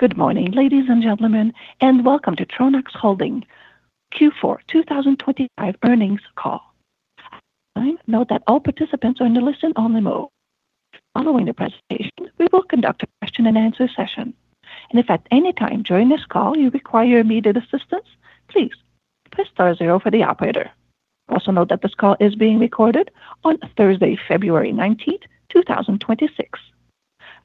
Good morning, ladies and gentlemen, and welcome to Tronox Holdings Q4 2025 Earnings Call. I note that all participants are in the listen-only mode. Following the presentation, we will conduct a question-and-answer session. If at any time during this call you require immediate assistance, please press star zero for the operator. Also, note that this call is being recorded on Thursday, February 19, 2026.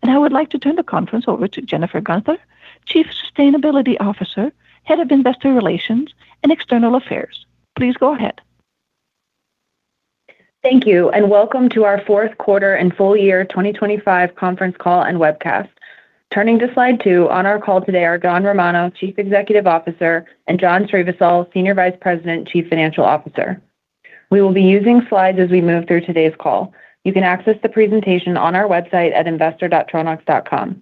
I would like to turn the conference over to Jennifer Guenther, Chief Sustainability Officer, Head of Investor Relations and External Affairs. Please go ahead. Thank you, and welcome to our fourth quarter and full year 2025 conference call and webcast. Turning to Slide 2, on our call today are John Romano, Chief Executive Officer, and John Srivisal, Senior Vice President and Chief Financial Officer. We will be using slides as we move through today's call. You can access the presentation on our website at investor.tronox.com.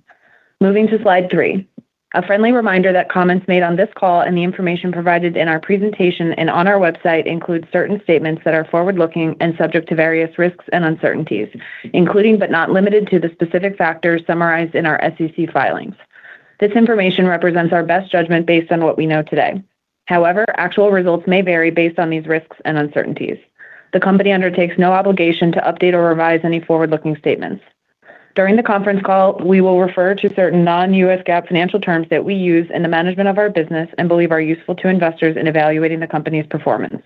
Moving to Slide 3. A friendly reminder that comments made on this call and the information provided in our presentation and on our website include certain statements that are forward-looking and subject to various risks and uncertainties, including but not limited to, the specific factors summarized in our SEC filings. This information represents our best judgment based on what we know today. However, actual results may vary based on these risks and uncertainties. The company undertakes no obligation to update or revise any forward-looking statements. During the conference call, we will refer to certain non-U.S. GAAP financial terms that we use in the management of our business and believe are useful to investors in evaluating the company's performance.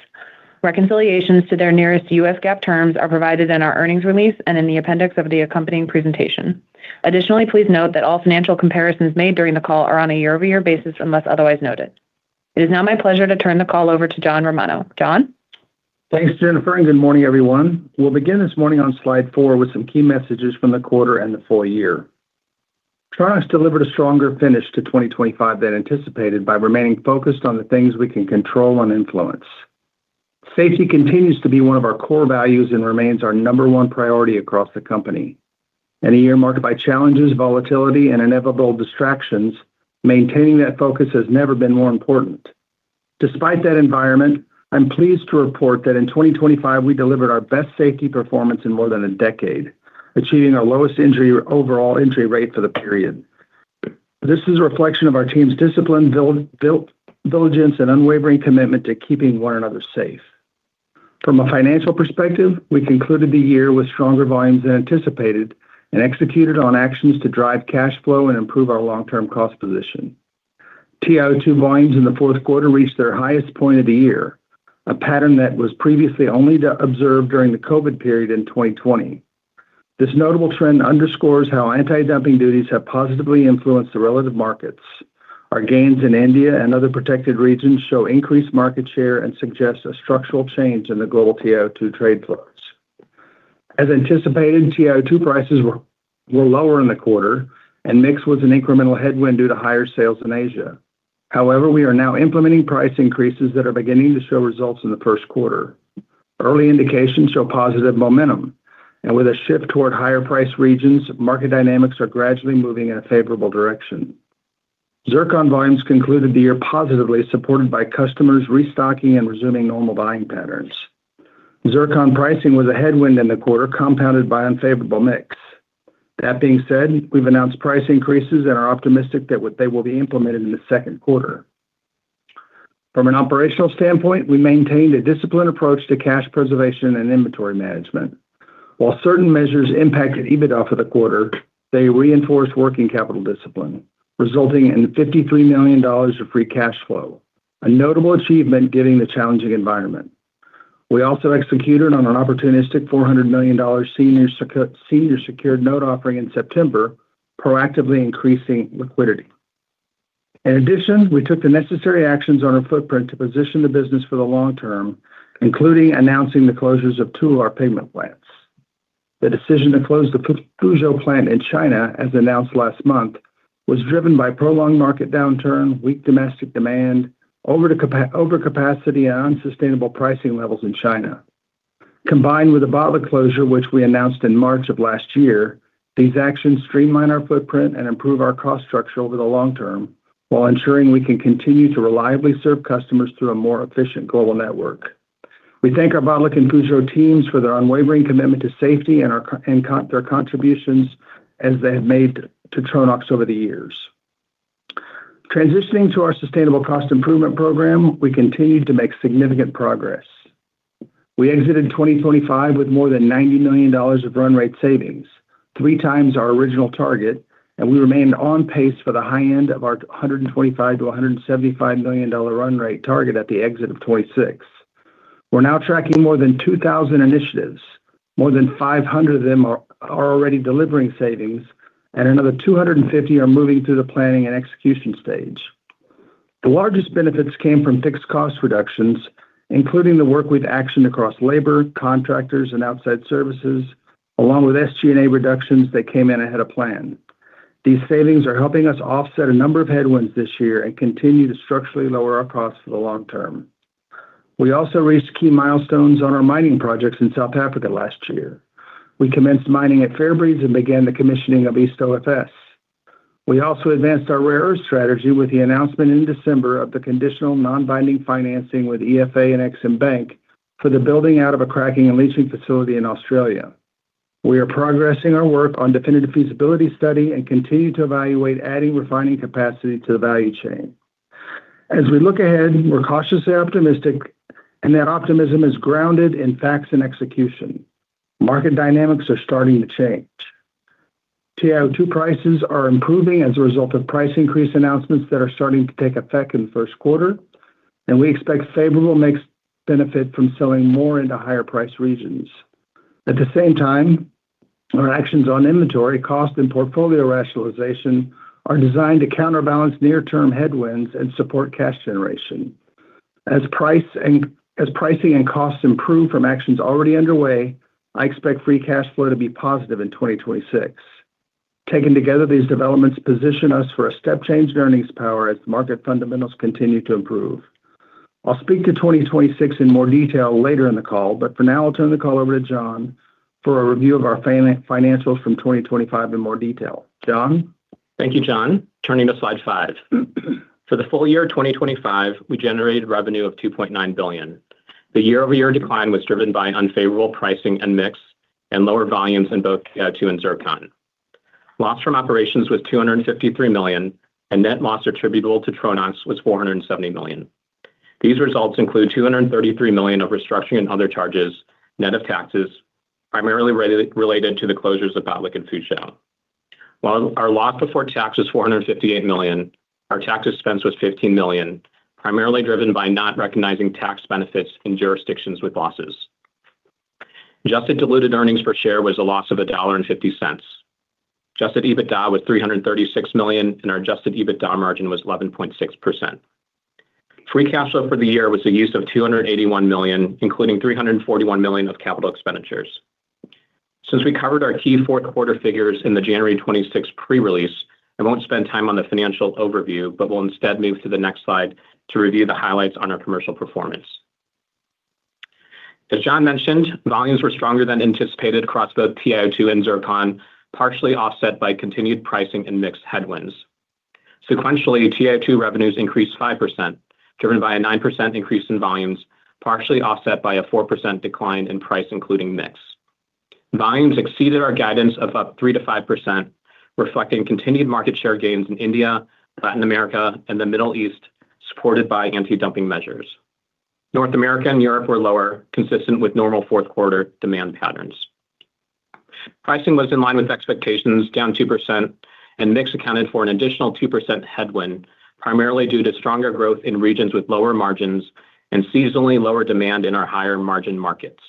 Reconciliations to their nearest U.S. GAAP terms are provided in our earnings release and in the appendix of the accompanying presentation. Additionally, please note that all financial comparisons made during the call are on a year-over-year basis unless otherwise noted. It is now my pleasure to turn the call over to John Romano. John? Thanks, Jennifer, and good morning, everyone. We'll begin this morning on Slide 4 with some key messages from the quarter and the full year. Tronox delivered a stronger finish to 2025 than anticipated by remaining focused on the things we can control and influence. Safety continues to be one of our core values and remains our number one priority across the company. In a year marked by challenges, volatility, and inevitable distractions, maintaining that focus has never been more important. Despite that environment, I'm pleased to report that in 2025, we delivered our best safety performance in more than a decade, achieving our lowest overall injury rate for the period. This is a reflection of our team's discipline, diligence, and unwavering commitment to keeping one another safe. From a financial perspective, we concluded the year with stronger volumes than anticipated and executed on actions to drive cash flow and improve our long-term cost position. TiO2 volumes in the fourth quarter reached their highest point of the year, a pattern that was previously only observed during the COVID period in 2020. This notable trend underscores how anti-dumping duties have positively influenced the relative markets. Our gains in India and other protected regions show increased market share and suggest a structural change in the global TiO2 trade flows. As anticipated, TiO2 prices were lower in the quarter, and mix was an incremental headwind due to higher sales in Asia. However, we are now implementing price increases that are beginning to show results in the first quarter. Early indications show positive momentum, and with a shift toward higher price regions, market dynamics are gradually moving in a favorable direction. Zircon volumes concluded the year positively, supported by customers restocking and resuming normal buying patterns. Zircon pricing was a headwind in the quarter, compounded by unfavorable mix. That being said, we've announced price increases and are optimistic that they will be implemented in the second quarter. From an operational standpoint, we maintained a disciplined approach to cash preservation and inventory management. While certain measures impacted EBITDA for the quarter, they reinforced working capital discipline, resulting in $53 million of free cash flow, a notable achievement given the challenging environment. We also executed on an opportunistic $400 million senior secured note offering in September, proactively increasing liquidity. In addition, we took the necessary actions on our footprint to position the business for the long term, including announcing the closures of two of our pigment plants. The decision to close the Fuzhou plant in China, as announced last month, was driven by prolonged market downturn, weak domestic demand, overcapacity, and unsustainable pricing levels in China. Combined with the Botlek closure, which we announced in March of last year, these actions streamline our footprint and improve our cost structure over the long term while ensuring we can continue to reliably serve customers through a more efficient global network. We thank our Botlek and Fuzhou teams for their unwavering commitment to safety and their contributions as they have made to Tronox over the years. Transitioning to our sustainable cost improvement program, we continued to make significant progress. We exited 2025 with more than $90 million of run rate savings, three times our original target, and we remained on pace for the high end of our $125 million-$175 million run rate target at the exit of 2026. We're now tracking more than 2,000 initiatives. More than 500 of them are already delivering savings, and another 250 are moving through the planning and execution stage. The largest benefits came from fixed cost reductions, including the workforce action across labor, contractors, and outside services, along with SG&A reductions that came in ahead of plan. These savings are helping us offset a number of headwinds this year and continue to structurally lower our costs for the long term. We also reached key milestones on our mining projects in South Africa last year. We commenced mining at Fairbreeze and began the commissioning of East OFS. We also advanced our rare earth strategy with the announcement in December of the conditional, non-binding financing with EFA and EXIM Bank for the building out of a cracking and leaching facility in Australia. We are progressing our work on definitive feasibility study and continue to evaluate adding refining capacity to the value chain. As we look ahead, we're cautiously optimistic, and that optimism is grounded in facts and execution. Market dynamics are starting to change. TiO2 prices are improving as a result of price increase announcements that are starting to take effect in the first quarter, and we expect favorable mix benefit from selling more into higher price regions. At the same time, our actions on inventory, cost, and portfolio rationalization are designed to counterbalance near-term headwinds and support cash generation. As pricing and costs improve from actions already underway, I expect free cash flow to be positive in 2026. Taken together, these developments position us for a step change in earnings power as market fundamentals continue to improve. I'll speak to 2026 in more detail later in the call, but for now, I'll turn the call over to John for a review of our financials from 2025 in more detail. John? Thank you, John. Turning to Slide 5. For the full-year 2025, we generated revenue of $2.9 billion. The year-over-year decline was driven by unfavorable pricing and mix, and lower volumes in both TiO2 and zircon. Loss from operations was $253 million, and net loss attributable to Tronox was $470 million. These results include $233 million of restructuring and other charges, net of taxes, primarily related to the closures of Botlek and Fuzhou. While our loss before tax was $458 million, our tax expense was $15 million, primarily driven by not recognizing tax benefits in jurisdictions with losses. Adjusted diluted earnings per share was a loss of $1.50. Adjusted EBITDA was $336 million, and our adjusted EBITDA margin was 11.6%. Free cash flow for the year was a use of $281 million, including $341 million of capital expenditures. Since we covered our key fourth quarter figures in the January 26 pre-release, I won't spend time on the financial overview, but will instead move to the next slide to review the highlights on our commercial performance. As John mentioned, volumes were stronger than anticipated across both TiO2 and zircon, partially offset by continued pricing and mixed headwinds. Sequentially, TiO2 revenues increased 5%, driven by a 9% increase in volumes, partially offset by a 4% decline in price, including mix. Volumes exceeded our guidance of up 3%-5%, reflecting continued market share gains in India, Latin America, and the Middle East, supported by anti-dumping measures. North America and Europe were lower, consistent with normal fourth quarter demand patterns. Pricing was in line with expectations, down 2%, and mix accounted for an additional 2% headwind, primarily due to stronger growth in regions with lower margins and seasonally lower demand in our higher-margin markets.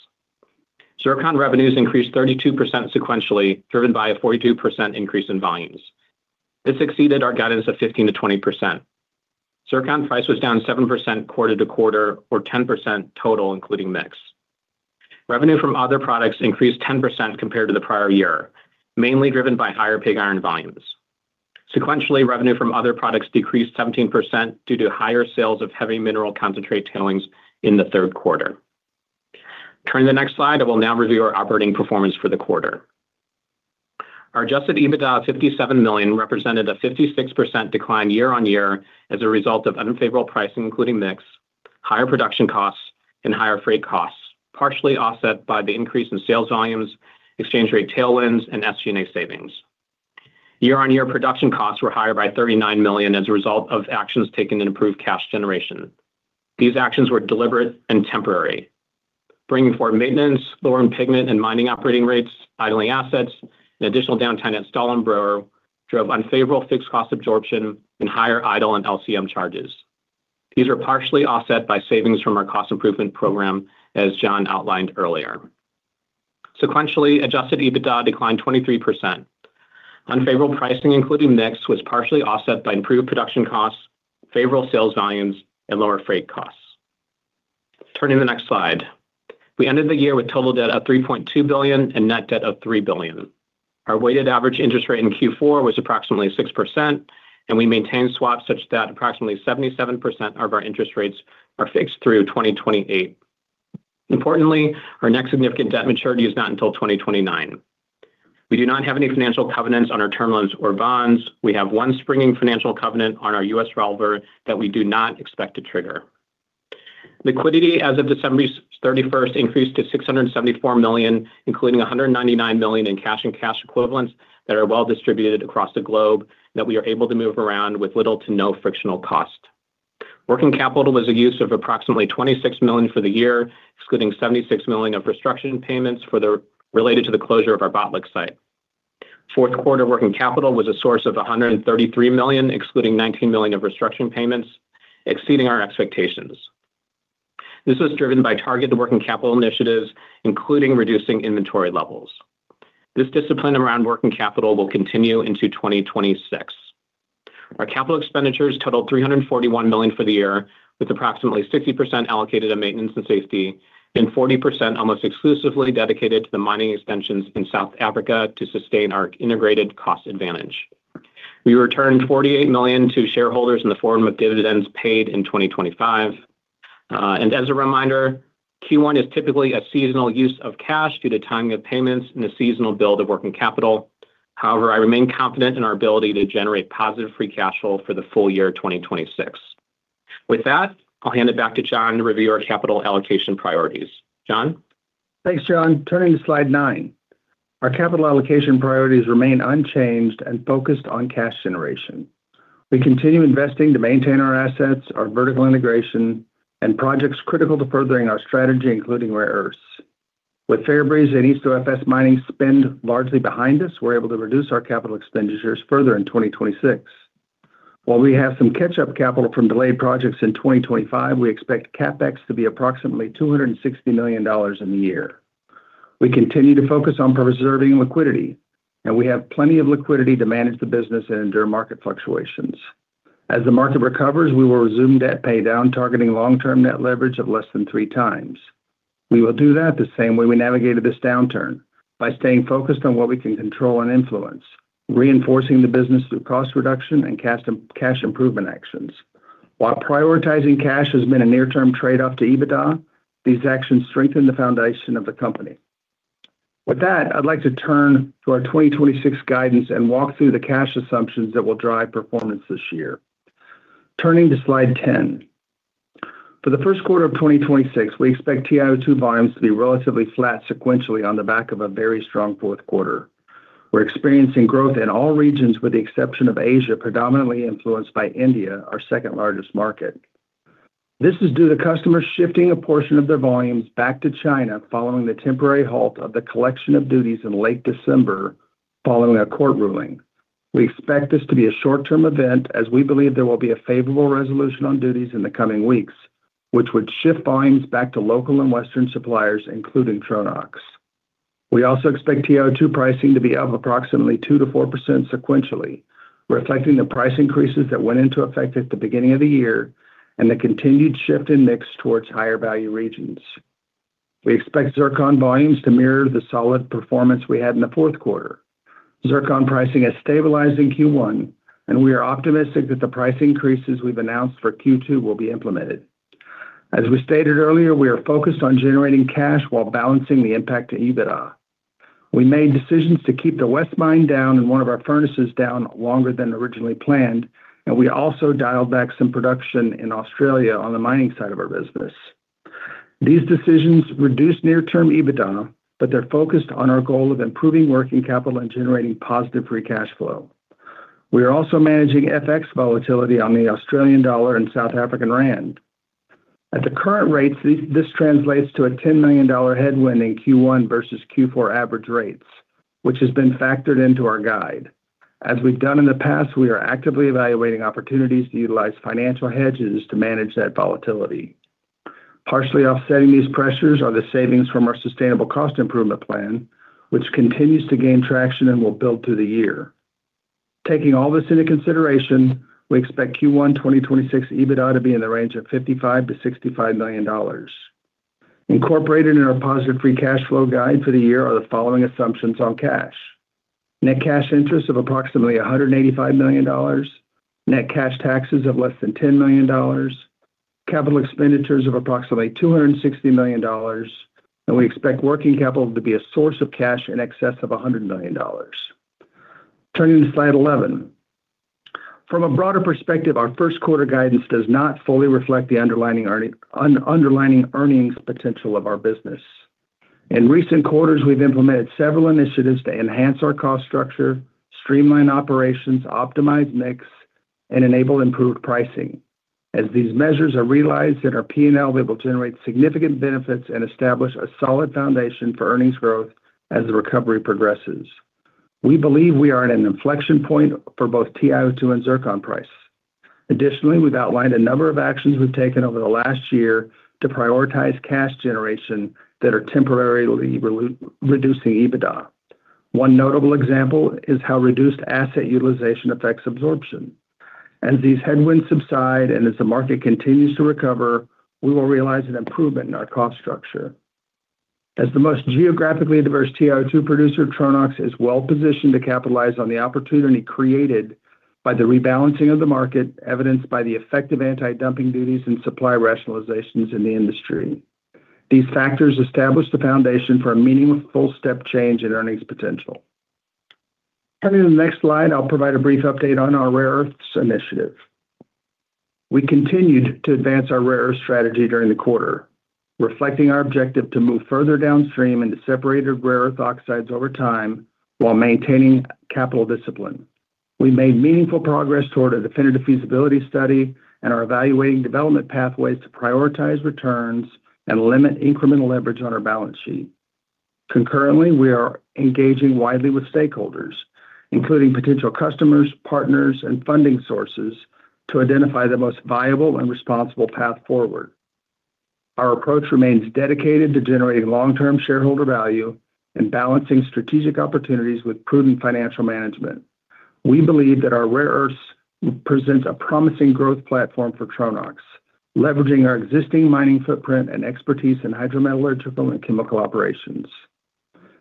Zircon revenues increased 32% sequentially, driven by a 42% increase in volumes. This exceeded our guidance of 15%-20%. Zircon price was down 7% quarter to quarter, or 10% total, including mix. Revenue from other products increased 10% compared to the prior year, mainly driven by higher pig iron volumes. Sequentially, revenue from other products decreased 17% due to higher sales of heavy mineral concentrate tailings in the third quarter. Turning to the next slide, I will now review our operating performance for the quarter. Our adjusted EBITDA, $57 million, represented a 56% decline year-on-year as a result of unfavorable pricing, including mix, higher production costs and higher freight costs, partially offset by the increase in sales volumes, exchange rate tailwinds, and SG&A savings. Year-on-year production costs were higher by $39 million as a result of actions taken to improve cash generation. These actions were deliberate and temporary. Bringing forward maintenance, lower pigment and mining operating rates, idling assets, and additional downtime at Stallingborough drove unfavorable fixed cost absorption and higher idle and LCM charges. These were partially offset by savings from our cost improvement program, as John outlined earlier. Sequentially, adjusted EBITDA declined 23%. Unfavorable pricing, including mix, was partially offset by improved production costs, favorable sales volumes, and lower freight costs. Turning to the next slide. We ended the year with total debt of $3.2 billion and net debt of $3 billion. Our weighted average interest rate in Q4 was approximately 6%, and we maintained swaps such that approximately 77% of our interest rates are fixed through 2028. Importantly, our next significant debt maturity is not until 2029. We do not have any financial covenants on our term loans or bonds. We have one springing financial covenant on our U.S. revolver that we do not expect to trigger. Liquidity as of December 31st increased to $674 million, including $199 million in cash and cash equivalents that are well distributed across the globe, that we are able to move around with little to no frictional cost. Working capital was a use of approximately $26 million for the year, excluding $76 million of restructuring payments related to the closure of our Botlek site. Fourth quarter working capital was a source of $133 million, excluding $19 million of restructuring payments, exceeding our expectations. This was driven by targeted working capital initiatives, including reducing inventory levels. This discipline around working capital will continue into 2026. Our capital expenditures totaled $341 million for the year, with approximately 60% allocated to maintenance and safety, and 40% almost exclusively dedicated to the mining extensions in South Africa to sustain our integrated cost advantage. We returned $48 million to shareholders in the form of dividends paid in 2025. As a reminder, Q1 is typically a seasonal use of cash due to timing of payments and the seasonal build of working capital. However, I remain confident in our ability to generate positive free cash flow for the full-year 2026. With that, I'll hand it back to John to review our capital allocation priorities. John? Thanks, John. Turning to Slide 9. Our capital allocation priorities remain unchanged and focused on cash generation. We continue investing to maintain our assets, our vertical integration, and projects critical to furthering our strategy, including rare earths. With Fairbreeze and East OFS mining spend largely behind us, we're able to reduce our capital expenditures further in 2026. While we have some catch-up capital from delayed projects in 2025, we expect CapEx to be approximately $260 million in the year. We continue to focus on preserving liquidity, and we have plenty of liquidity to manage the business and endure market fluctuations. As the market recovers, we will resume debt paydown, targeting long-term net leverage of less than 3x. We will do that the same way we navigated this downturn, by staying focused on what we can control and influence, reinforcing the business through cost reduction and cash improvement actions. While prioritizing cash has been a near-term trade-off to EBITDA, these actions strengthen the foundation of the company. With that, I'd like to turn to our 2026 guidance and walk through the cash assumptions that will drive performance this year. Turning to Slide 10. For the first quarter of 2026, we expect TiO2 volumes to be relatively flat sequentially on the back of a very strong fourth quarter. We're experiencing growth in all regions with the exception of Asia, predominantly influenced by India, our second-largest market. This is due to customers shifting a portion of their volumes back to China following the temporary halt of the collection of duties in late December, following a court ruling. We expect this to be a short-term event, as we believe there will be a favorable resolution on duties in the coming weeks, which would shift volumes back to local and Western suppliers, including Tronox. We also expect TiO2 pricing to be up approximately 2%-4% sequentially. We're reflecting the price increases that went into effect at the beginning of the year and the continued shift in mix towards higher-value regions. We expect zircon volumes to mirror the solid performance we had in the fourth quarter. Zircon pricing has stabilized in Q1, and we are optimistic that the price increases we've announced for Q2 will be implemented. As we stated earlier, we are focused on generating cash while balancing the impact to EBITDA. We made decisions to keep the West Mine down and one of our furnaces down longer than originally planned, and we also dialed back some production in Australia on the mining side of our business. These decisions reduced near-term EBITDA, but they're focused on our goal of improving working capital and generating positive free cash flow. We are also managing FX volatility on the Australian dollar and South African rand. At the current rates, this translates to a $10 million headwind in Q1 versus Q4 average rates, which has been factored into our guide. As we've done in the past, we are actively evaluating opportunities to utilize financial hedges to manage that volatility. Partially offsetting these pressures are the savings from our sustainable cost improvement plan, which continues to gain traction and will build through the year. Taking all this into consideration, we expect Q1 2026 EBITDA to be in the range of $55 million-$65 million. Incorporated in our positive free cash flow guide for the year are the following assumptions on cash: net cash interest of approximately $185 million, net cash taxes of less than $10 million, capital expenditures of approximately $260 million, and we expect working capital to be a source of cash in excess of $100 million. Turning to Slide 11. From a broader perspective, our first quarter guidance does not fully reflect the underlying earnings potential of our business. In recent quarters, we've implemented several initiatives to enhance our cost structure, streamline operations, optimize mix, and enable improved pricing. As these measures are realized in our P&L, we will generate significant benefits and establish a solid foundation for earnings growth as the recovery progresses. We believe we are at an inflection point for both TiO2 and zircon price. Additionally, we've outlined a number of actions we've taken over the last year to prioritize cash generation that are temporarily reducing EBITDA. One notable example is how reduced asset utilization affects absorption. As these headwinds subside and as the market continues to recover, we will realize an improvement in our cost structure. As the most geographically diverse TiO2 producer, Tronox is well positioned to capitalize on the opportunity created by the rebalancing of the market, evidenced by the effective anti-dumping duties and supply rationalizations in the industry. These factors establish the foundation for a meaningful step change in earnings potential. Turning to the next slide, I'll provide a brief update on our rare earths initiative. We continued to advance our rare earth strategy during the quarter, reflecting our objective to move further downstream into separated rare earth oxides over time while maintaining capital discipline. We made meaningful progress toward a definitive feasibility study and are evaluating development pathways to prioritize returns and limit incremental leverage on our balance sheet. Concurrently, we are engaging widely with stakeholders, including potential customers, partners, and funding sources, to identify the most viable and responsible path forward. Our approach remains dedicated to generating long-term shareholder value and balancing strategic opportunities with prudent financial management. We believe that our rare earths present a promising growth platform for Tronox, leveraging our existing mining footprint and expertise in hydrometalurgical and chemical operations.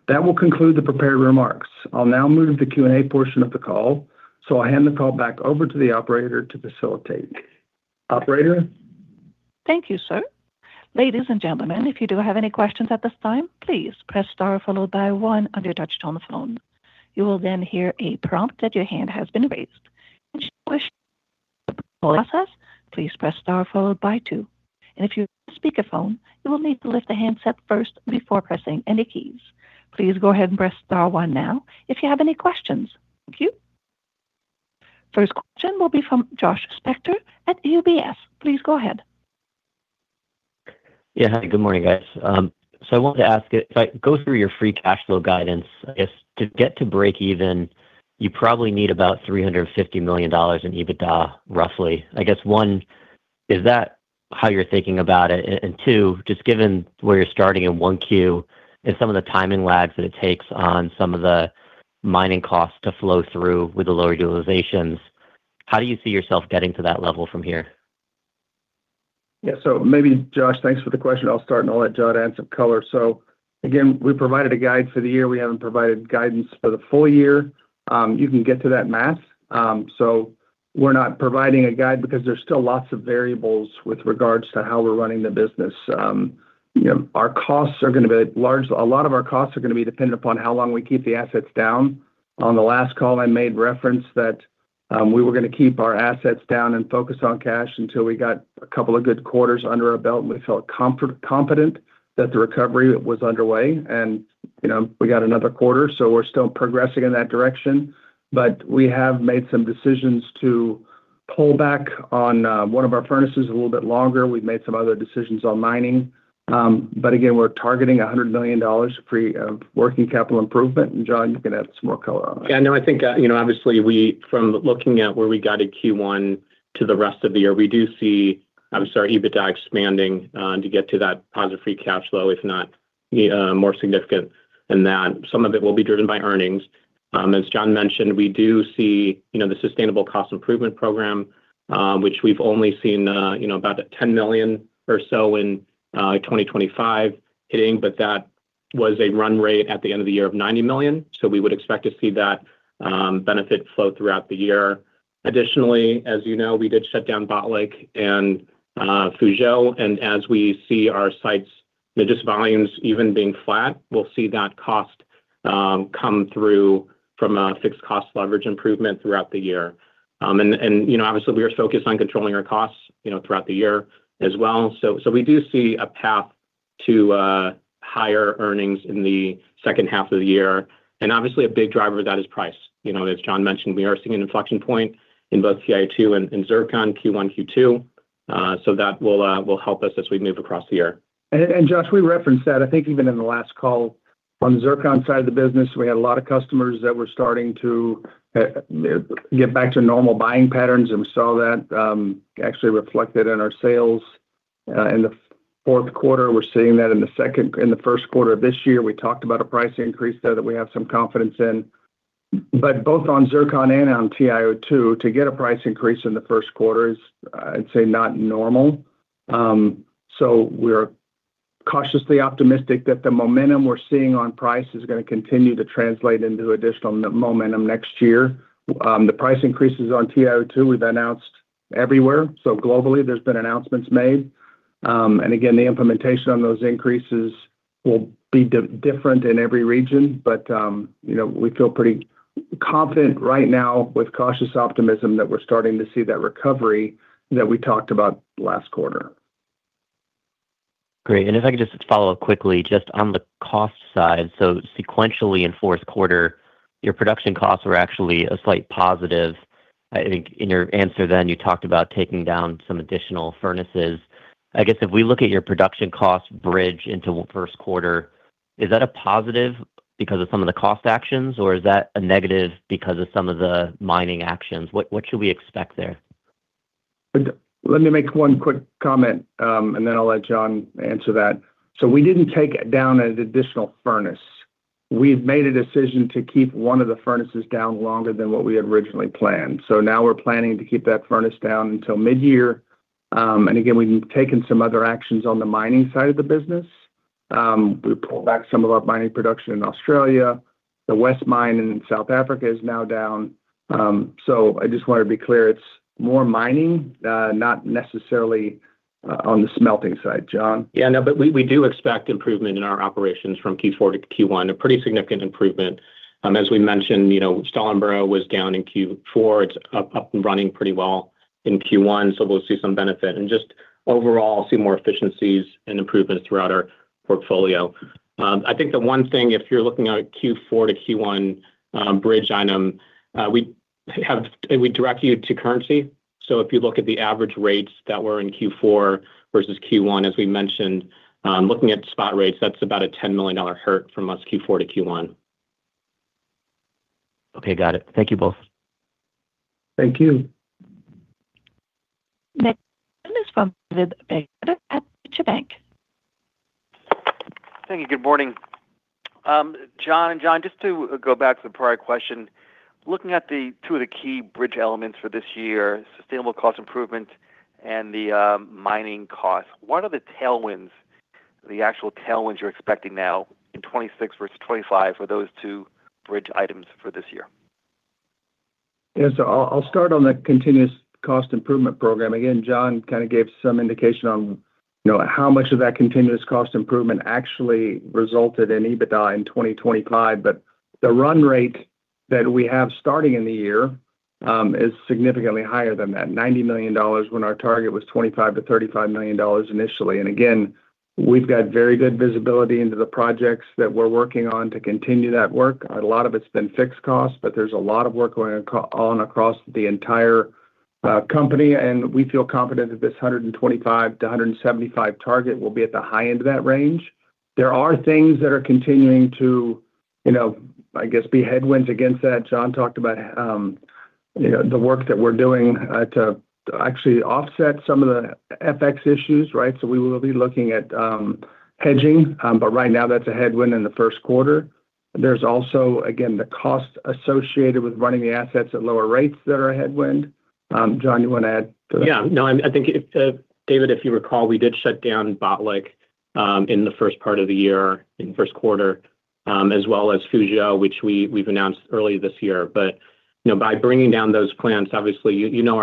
That will conclude the prepared remarks. I'll now move to the Q&A portion of the call, so I'll hand the call back over to the operator to facilitate. Operator? Thank you, sir. Ladies and gentlemen, if you do have any questions at this time, please press star followed by one on your touch-tone phone. You will then hear a prompt that your hand has been raised. If you wish to withdraw your question, please press star followed by two. And if you're on speakerphone, you will need to lift the handset first before pressing any keys. Please go ahead and press star one now if you have any questions. Thank you. First question will be from Josh Spector at UBS. Please go ahead. Yeah. Hi, good morning, guys. So I wanted to ask, if I go through your free cash flow guidance, if to get to breakeven, you probably need about $350 million in EBITDA, roughly. I guess, one, is that how you're thinking about it? And, two, just given where you're starting in 1Q and some of the timing lags that it takes on some of the mining costs to flow through with the lower utilizations, how do you see yourself getting to that level from here? Yeah. So maybe, Josh, thanks for the question. I'll start and I'll let John add some color. So again, we provided a guide for the year. We haven't provided guidance for the full year. You can get to that math. So we're not providing a guide because there's still lots of variables with regards to how we're running the business. You know, our costs are gonna be large, a lot of our costs are gonna be dependent upon how long we keep the assets down. On the last call, I made reference that we were gonna keep our assets down and focus on cash until we got a couple of good quarters under our belt, and we felt confident that the recovery was underway. You know, we got another quarter, so we're still progressing in that direction. We have made some decisions to pull back on one of our furnaces a little bit longer. We've made some other decisions on mining. Again, we're targeting $100 million free of working capital improvement, and, John, you can add some more color on that. Yeah, no, I think, you know, obviously, we from looking at where we got in Q1 to the rest of the year, we do see, obviously, our EBITDA expanding, to get to that positive free cash flow, if not, more significant than that. Some of it will be driven by earnings. As John mentioned, we do see, you know, the sustainable cost improvement program, which we've only seen, you know, about $10 million or so in 2025 hitting, but that was a run rate at the end of the year of $90 million, so we would expect to see that, benefit flow throughout the year. Additionally, as you know, we did shut down Botlek and Fuzhou, and as we see our sites' volumes even being flat, we'll see that cost come through from a fixed cost leverage improvement throughout the year. And you know, obviously, we are focused on controlling our costs, you know, throughout the year as well. So we do see a path to higher earnings in the second half of the year. And obviously, a big driver of that is price. You know, as John mentioned, we are seeing an inflection point in both TiO2 and zircon Q1, Q2, so that will help us as we move across the year. And Josh, we referenced that, I think even in the last call. On the zircon side of the business, we had a lot of customers that were starting to get back to normal buying patterns, and we saw that, actually reflected in our sales, in the fourth quarter. We're seeing that in the first quarter of this year. We talked about a price increase there that we have some confidence in. But both on zircon and on TiO2, to get a price increase in the first quarter is, I'd say, not normal. So we're cautiously optimistic that the momentum we're seeing on price is gonna continue to translate into additional momentum next year. The price increases on TiO2, we've announced everywhere. So globally, there's been announcements made. And again, the implementation on those increases will be different in every region, but you know, we feel pretty confident right now with cautious optimism that we're starting to see that recovery that we talked about last quarter. Great. And if I could just follow up quickly, just on the cost side. So sequentially in fourth quarter, your production costs were actually a slight positive. I think in your answer then, you talked about taking down some additional furnaces. I guess if we look at your production cost bridge into first quarter, is that a positive because of some of the cost actions, or is that a negative because of some of the mining actions? What, what should we expect there? Let me make one quick comment, and then I'll let John answer that. So we didn't take down an additional furnace. We've made a decision to keep one of the furnaces down longer than what we had originally planned. So now we're planning to keep that furnace down until mid-year. And again, we've taken some other actions on the mining side of the business. We pulled back some of our mining production in Australia. The West Mine in South Africa is now down. So I just want to be clear, it's more mining, not necessarily on the smelting side. John? Yeah, no, but we, we do expect improvement in our operations from Q4 to Q1, a pretty significant improvement. As we mentioned, you know, Stallingborough was down in Q4. It's up, up and running pretty well in Q1, so we'll see some benefit. And just overall, see more efficiencies and improvements throughout our portfolio. I think the one thing, if you're looking at a Q4 to Q1 bridge item, we have, and we direct you to currency. So if you look at the average rates that were in Q4 versus Q1, as we mentioned, looking at spot rates, that's about a $10 million hurt from us Q4 to Q1. Okay, got it. Thank you both. Thank you. Next is from David Begleiter at Deutsche Bank. Thank you. Good morning. John and John, just to go back to the prior question, looking at the two of the key bridge elements for this year, sustainable cost improvement and the, mining costs, what are the tailwinds, the actual tailwinds you're expecting now in 2026 versus 2025 for those two bridge items for this year? Yes, so I'll start on the continuous cost improvement program. Again, John kind of gave some indication on, you know, how much of that continuous cost improvement actually resulted in EBITDA in 2025. But the run rate that we have starting in the year is significantly higher than that. $90 million when our target was $25 million-$35 million initially. And again, we've got very good visibility into the projects that we're working on to continue that work. A lot of it's been fixed costs, but there's a lot of work going on across the entire company, and we feel confident that this $125 million-$175 million target will be at the high end of that range. There are things that are continuing to, you know, I guess, be headwinds against that. John talked about, you know, the work that we're doing to actually offset some of the FX issues, right? So we will be looking at hedging, but right now that's a headwind in the first quarter. There's also, again, the cost associated with running the assets at lower rates that are a headwind. John, you want to add to that? Yeah. No, I think if, David, if you recall, we did shut down Botlek in the first part of the year, in the first quarter, as well as Fuzhou, which we've announced early this year. But, you know, by bringing down those plants, obviously, you know,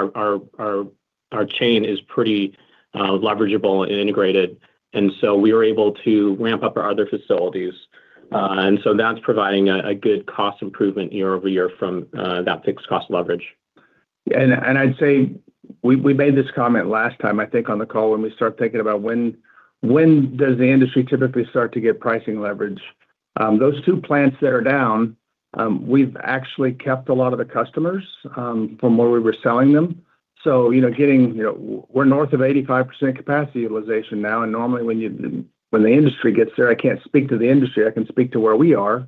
our chain is pretty leverageable and integrated, and so we were able to ramp up our other facilities. And so that's providing a good cost improvement year-over-year from that fixed cost leverage. I'd say we made this comment last time, I think, on the call, when we start thinking about when does the industry typically start to get pricing leverage? Those two plants that are down, we've actually kept a lot of the customers from where we were selling them. So, you know, we're north of 85% capacity utilization now, and normally when the industry gets there, I can't speak to the industry, I can speak to where we are,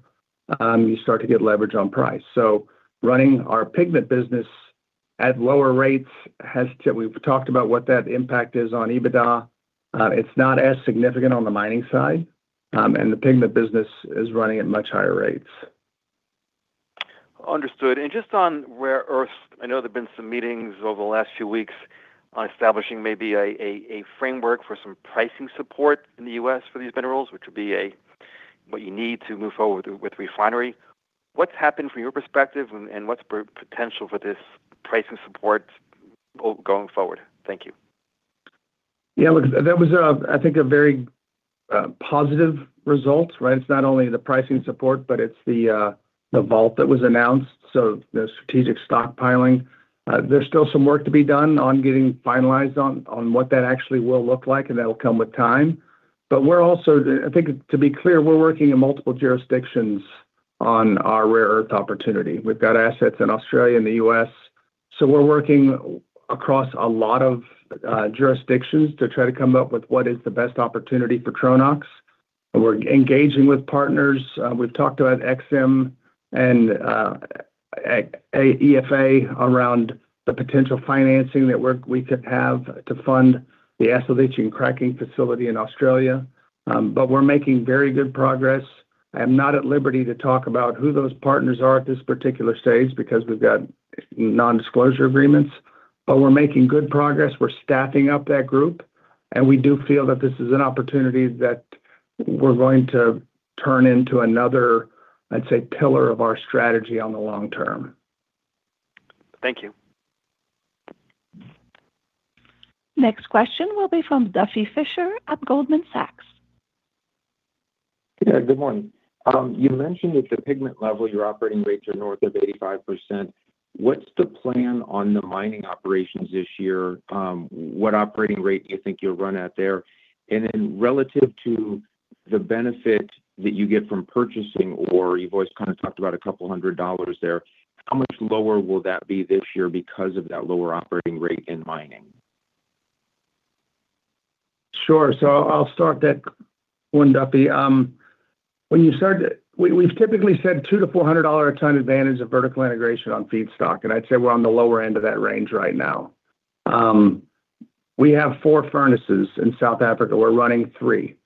you start to get leverage on price. So running our pigment business at lower rates—we've talked about what that impact is on EBITDA. It's not as significant on the mining side, and the pigment business is running at much higher rates. Understood. And just on rare earths, I know there have been some meetings over the last few weeks on establishing maybe a framework for some pricing support in the U.S. for these minerals, which would be what you need to move forward with refinery. What's happened from your perspective, and what's the potential for this pricing support going forward? Thank you. Yeah, look, that was a, I think, a very, positive result, right? It's not only the pricing support, but it's the, the bill that was announced, so the strategic stockpiling. There's still some work to be done on getting finalized on what that actually will look like, and that'll come with time. But we're also. I think, to be clear, we're working in multiple jurisdictions on our rare earth opportunity. We've got assets in Australia and the U.S., so we're working across a lot of, jurisdictions to try to come up with what is the best opportunity for Tronox. We're engaging with partners. We've talked about EXIM and EFA around the potential financing that work we could have to fund the acid leaching cracking facility in Australia. But we're making very good progress. I am not at liberty to talk about who those partners are at this particular stage because we've got non-disclosure agreements, but we're making good progress, we're staffing up that group, and we do feel that this is an opportunity that we're going to turn into another, I'd say, pillar of our strategy on the long term. Thank you. Next question will be from Duffy Fischer at Goldman Sachs. Yeah, good morning. You mentioned that your pigment level, your operating rates are north of 85%. What's the plan on the mining operations this year? What operating rate do you think you'll run at there? And then relative to the benefit that you get from purchasing, or you've always kind of talked about a couple of $100 there, how much lower will that be this year because of that lower operating rate in mining? Sure. So I'll start that one, Duffy. We've typically said $200-$400 a ton advantage of vertical integration on feedstock, and I'd say we're on the lower end of that range right now. We have four furnaces in South Africa. We're running three.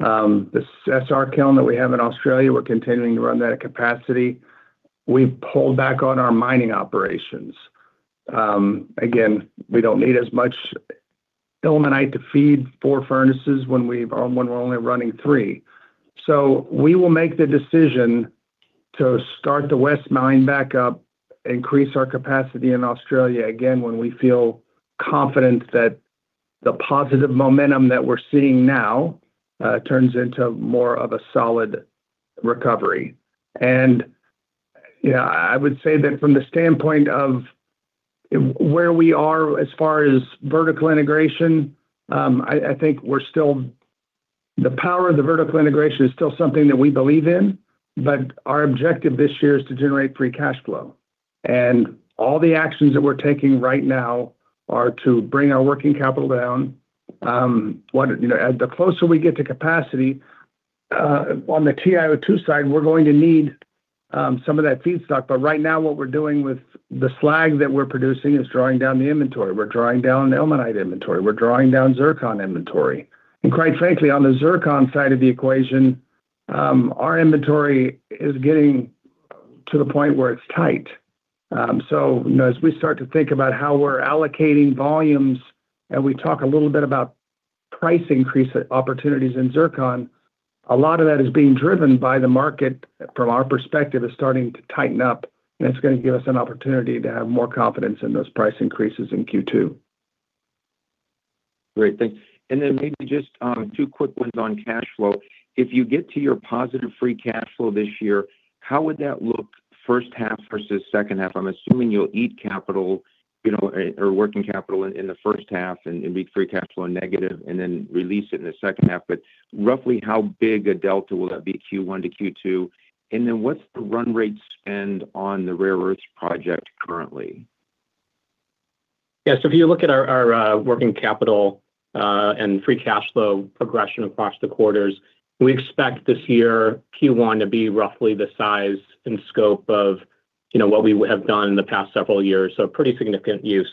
The SR kiln that we have in Australia, we're continuing to run that at capacity. We've pulled back on our mining operations. Again, we don't need as much ilmenite to feed four furnaces when we're only running three. So we will make the decision to start the West Mine back up, increase our capacity in Australia again, when we feel confident that the positive momentum that we're seeing now turns into more of a solid recovery. And, yeah, I would say that from the standpoint of where we are as far as vertical integration, I think the power of the vertical integration is still something that we believe in, but our objective this year is to generate free cash flow. All the actions that we're taking right now are to bring our working capital down. You know, as the closer we get to capacity, on the TiO2 side, we're going to need some of that feedstock, but right now, what we're doing with the slag that we're producing is drawing down the inventory. We're drawing down the ilmenite inventory. We're drawing down zircon inventory. And quite frankly, on the zircon side of the equation, our inventory is getting to the point where it's tight. So, you know, as we start to think about how we're allocating volumes and we talk a little bit about price increase opportunities in zircon, a lot of that is being driven by the market, from our perspective, is starting to tighten up, and it's gonna give us an opportunity to have more confidence in those price increases in Q2. Great, thanks. And then maybe just two quick ones on cash flow. If you get to your positive free cash flow this year, how would that look first half versus second half? I'm assuming you'll eat capital, you know, or working capital in the first half and be free cash flow negative and then release it in the second half. But roughly how big a delta will that be, Q1 to Q2? And then what's the run rate spend on the rare earths project currently? Yeah, so if you look at our working capital and free cash flow progression across the quarters, we expect this year, Q1 to be roughly the size and scope of, you know, what we have done in the past several years, so pretty significant use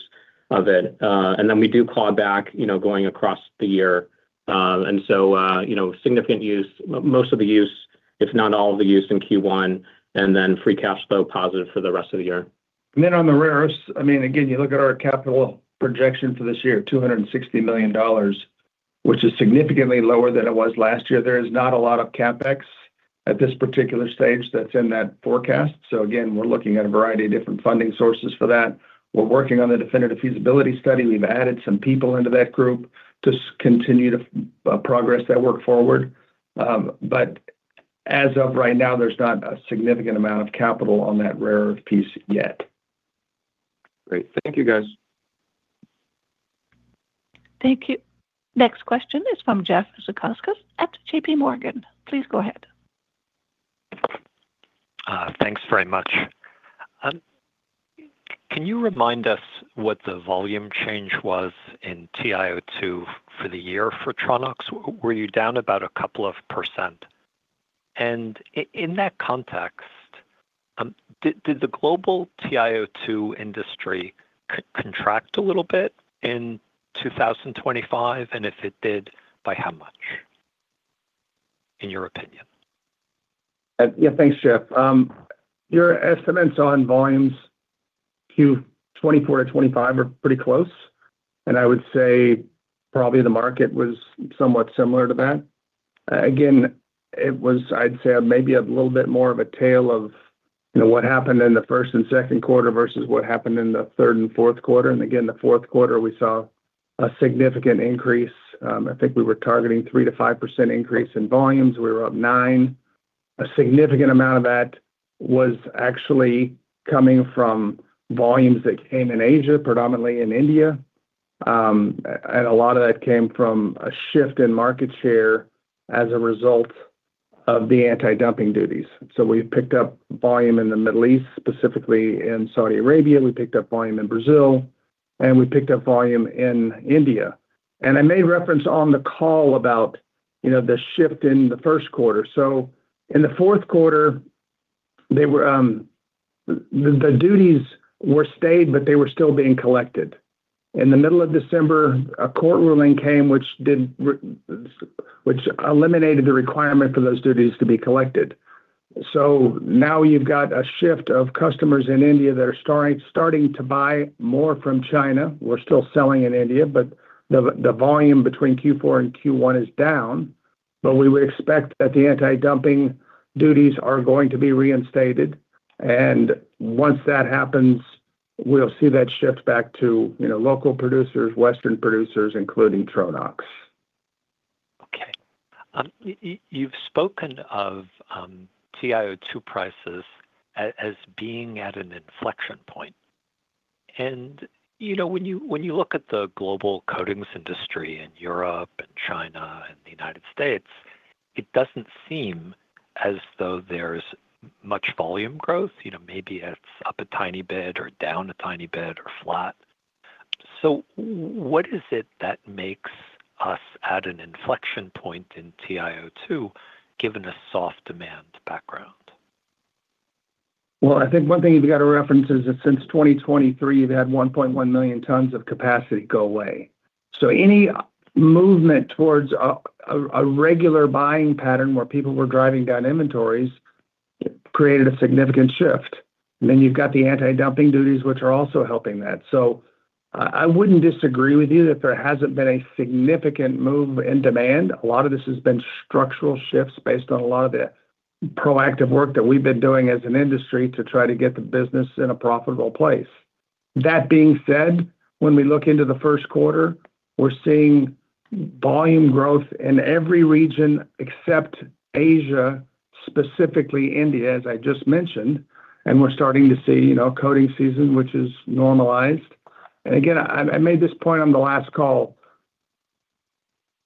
of it. And then we do claw back, you know, going across the year. And so, you know, significant use, most of the use, if not all of the use in Q1, and then free cash flow positive for the rest of the year. And then on the rare earths, I mean, again, you look at our capital projection for this year, $260 million, which is significantly lower than it was last year. There is not a lot of CapEx at this particular stage that's in that forecast. So again, we're looking at a variety of different funding sources for that. We're working on the definitive feasibility study. We've added some people into that group to continue to progress that work forward. But as of right now, there's not a significant amount of capital on that rare earth piece yet. Great. Thank you, guys. Thank you. Next question is from Jeff Zekauskas at JPMorgan. Please go ahead. Thanks very much. Can you remind us what the volume change was in TiO2 for the year for Tronox? Were you down about 2%? And in that context, did the global TiO2 industry contract a little bit in 2025? And if it did, by how much, in your opinion? Yeah. Thanks, Jeff. Your estimates on volumes Q 2024 to 2025 are pretty close, and I would say probably the market was somewhat similar to that. Again, it was, I'd say, maybe a little bit more of a tale of, you know, what happened in the first and second quarter versus what happened in the third and fourth quarter. And again, the fourth quarter, we saw a significant increase. I think we were targeting 3%-5% increase in volumes. We were up 9%. A significant amount of that was actually coming from volumes that came in Asia, predominantly in India. And a lot of that came from a shift in market share as a result of the anti-dumping duties. So we picked up volume in the Middle East, specifically in Saudi Arabia. We picked up volume in Brazil, and we picked up volume in India. And I made reference on the call about, you know, the shift in the first quarter. So in the fourth quarter, they were-- The, the duties were stayed, but they were still being collected. In the middle of December, a court ruling came which eliminated the requirement for those duties to be collected. So now you've got a shift of customers in India that are starting to buy more from China. We're still selling in India, but the, the volume between Q4 and Q1 is down. But we would expect that the anti-dumping duties are going to be reinstated, and once that happens, we'll see that shift back to, you know, local producers, Western producers, including Tronox. Okay. You've spoken of TiO2 prices as being at an inflection point, and, you know, when you look at the global coatings industry in Europe and China and the United States, it doesn't seem as though there's much volume growth. You know, maybe it's up a tiny bit or down a tiny bit or flat. So what is it that makes us at an inflection point in TiO2, given a soft demand background? Well, I think one thing you've got to reference is that since 2023, you've had 1.1 million tons of capacity go away. So any movement towards a regular buying pattern where people were driving down inventories created a significant shift. Then you've got the anti-dumping duties, which are also helping that. So I wouldn't disagree with you that there hasn't been a significant move in demand. A lot of this has been structural shifts based on a lot of the proactive work that we've been doing as an industry to try to get the business in a profitable place. That being said, when we look into the first quarter, we're seeing volume growth in every region except Asia, specifically India, as I just mentioned, and we're starting to see, you know, coating season, which is normalized. And again, I made this point on the last call.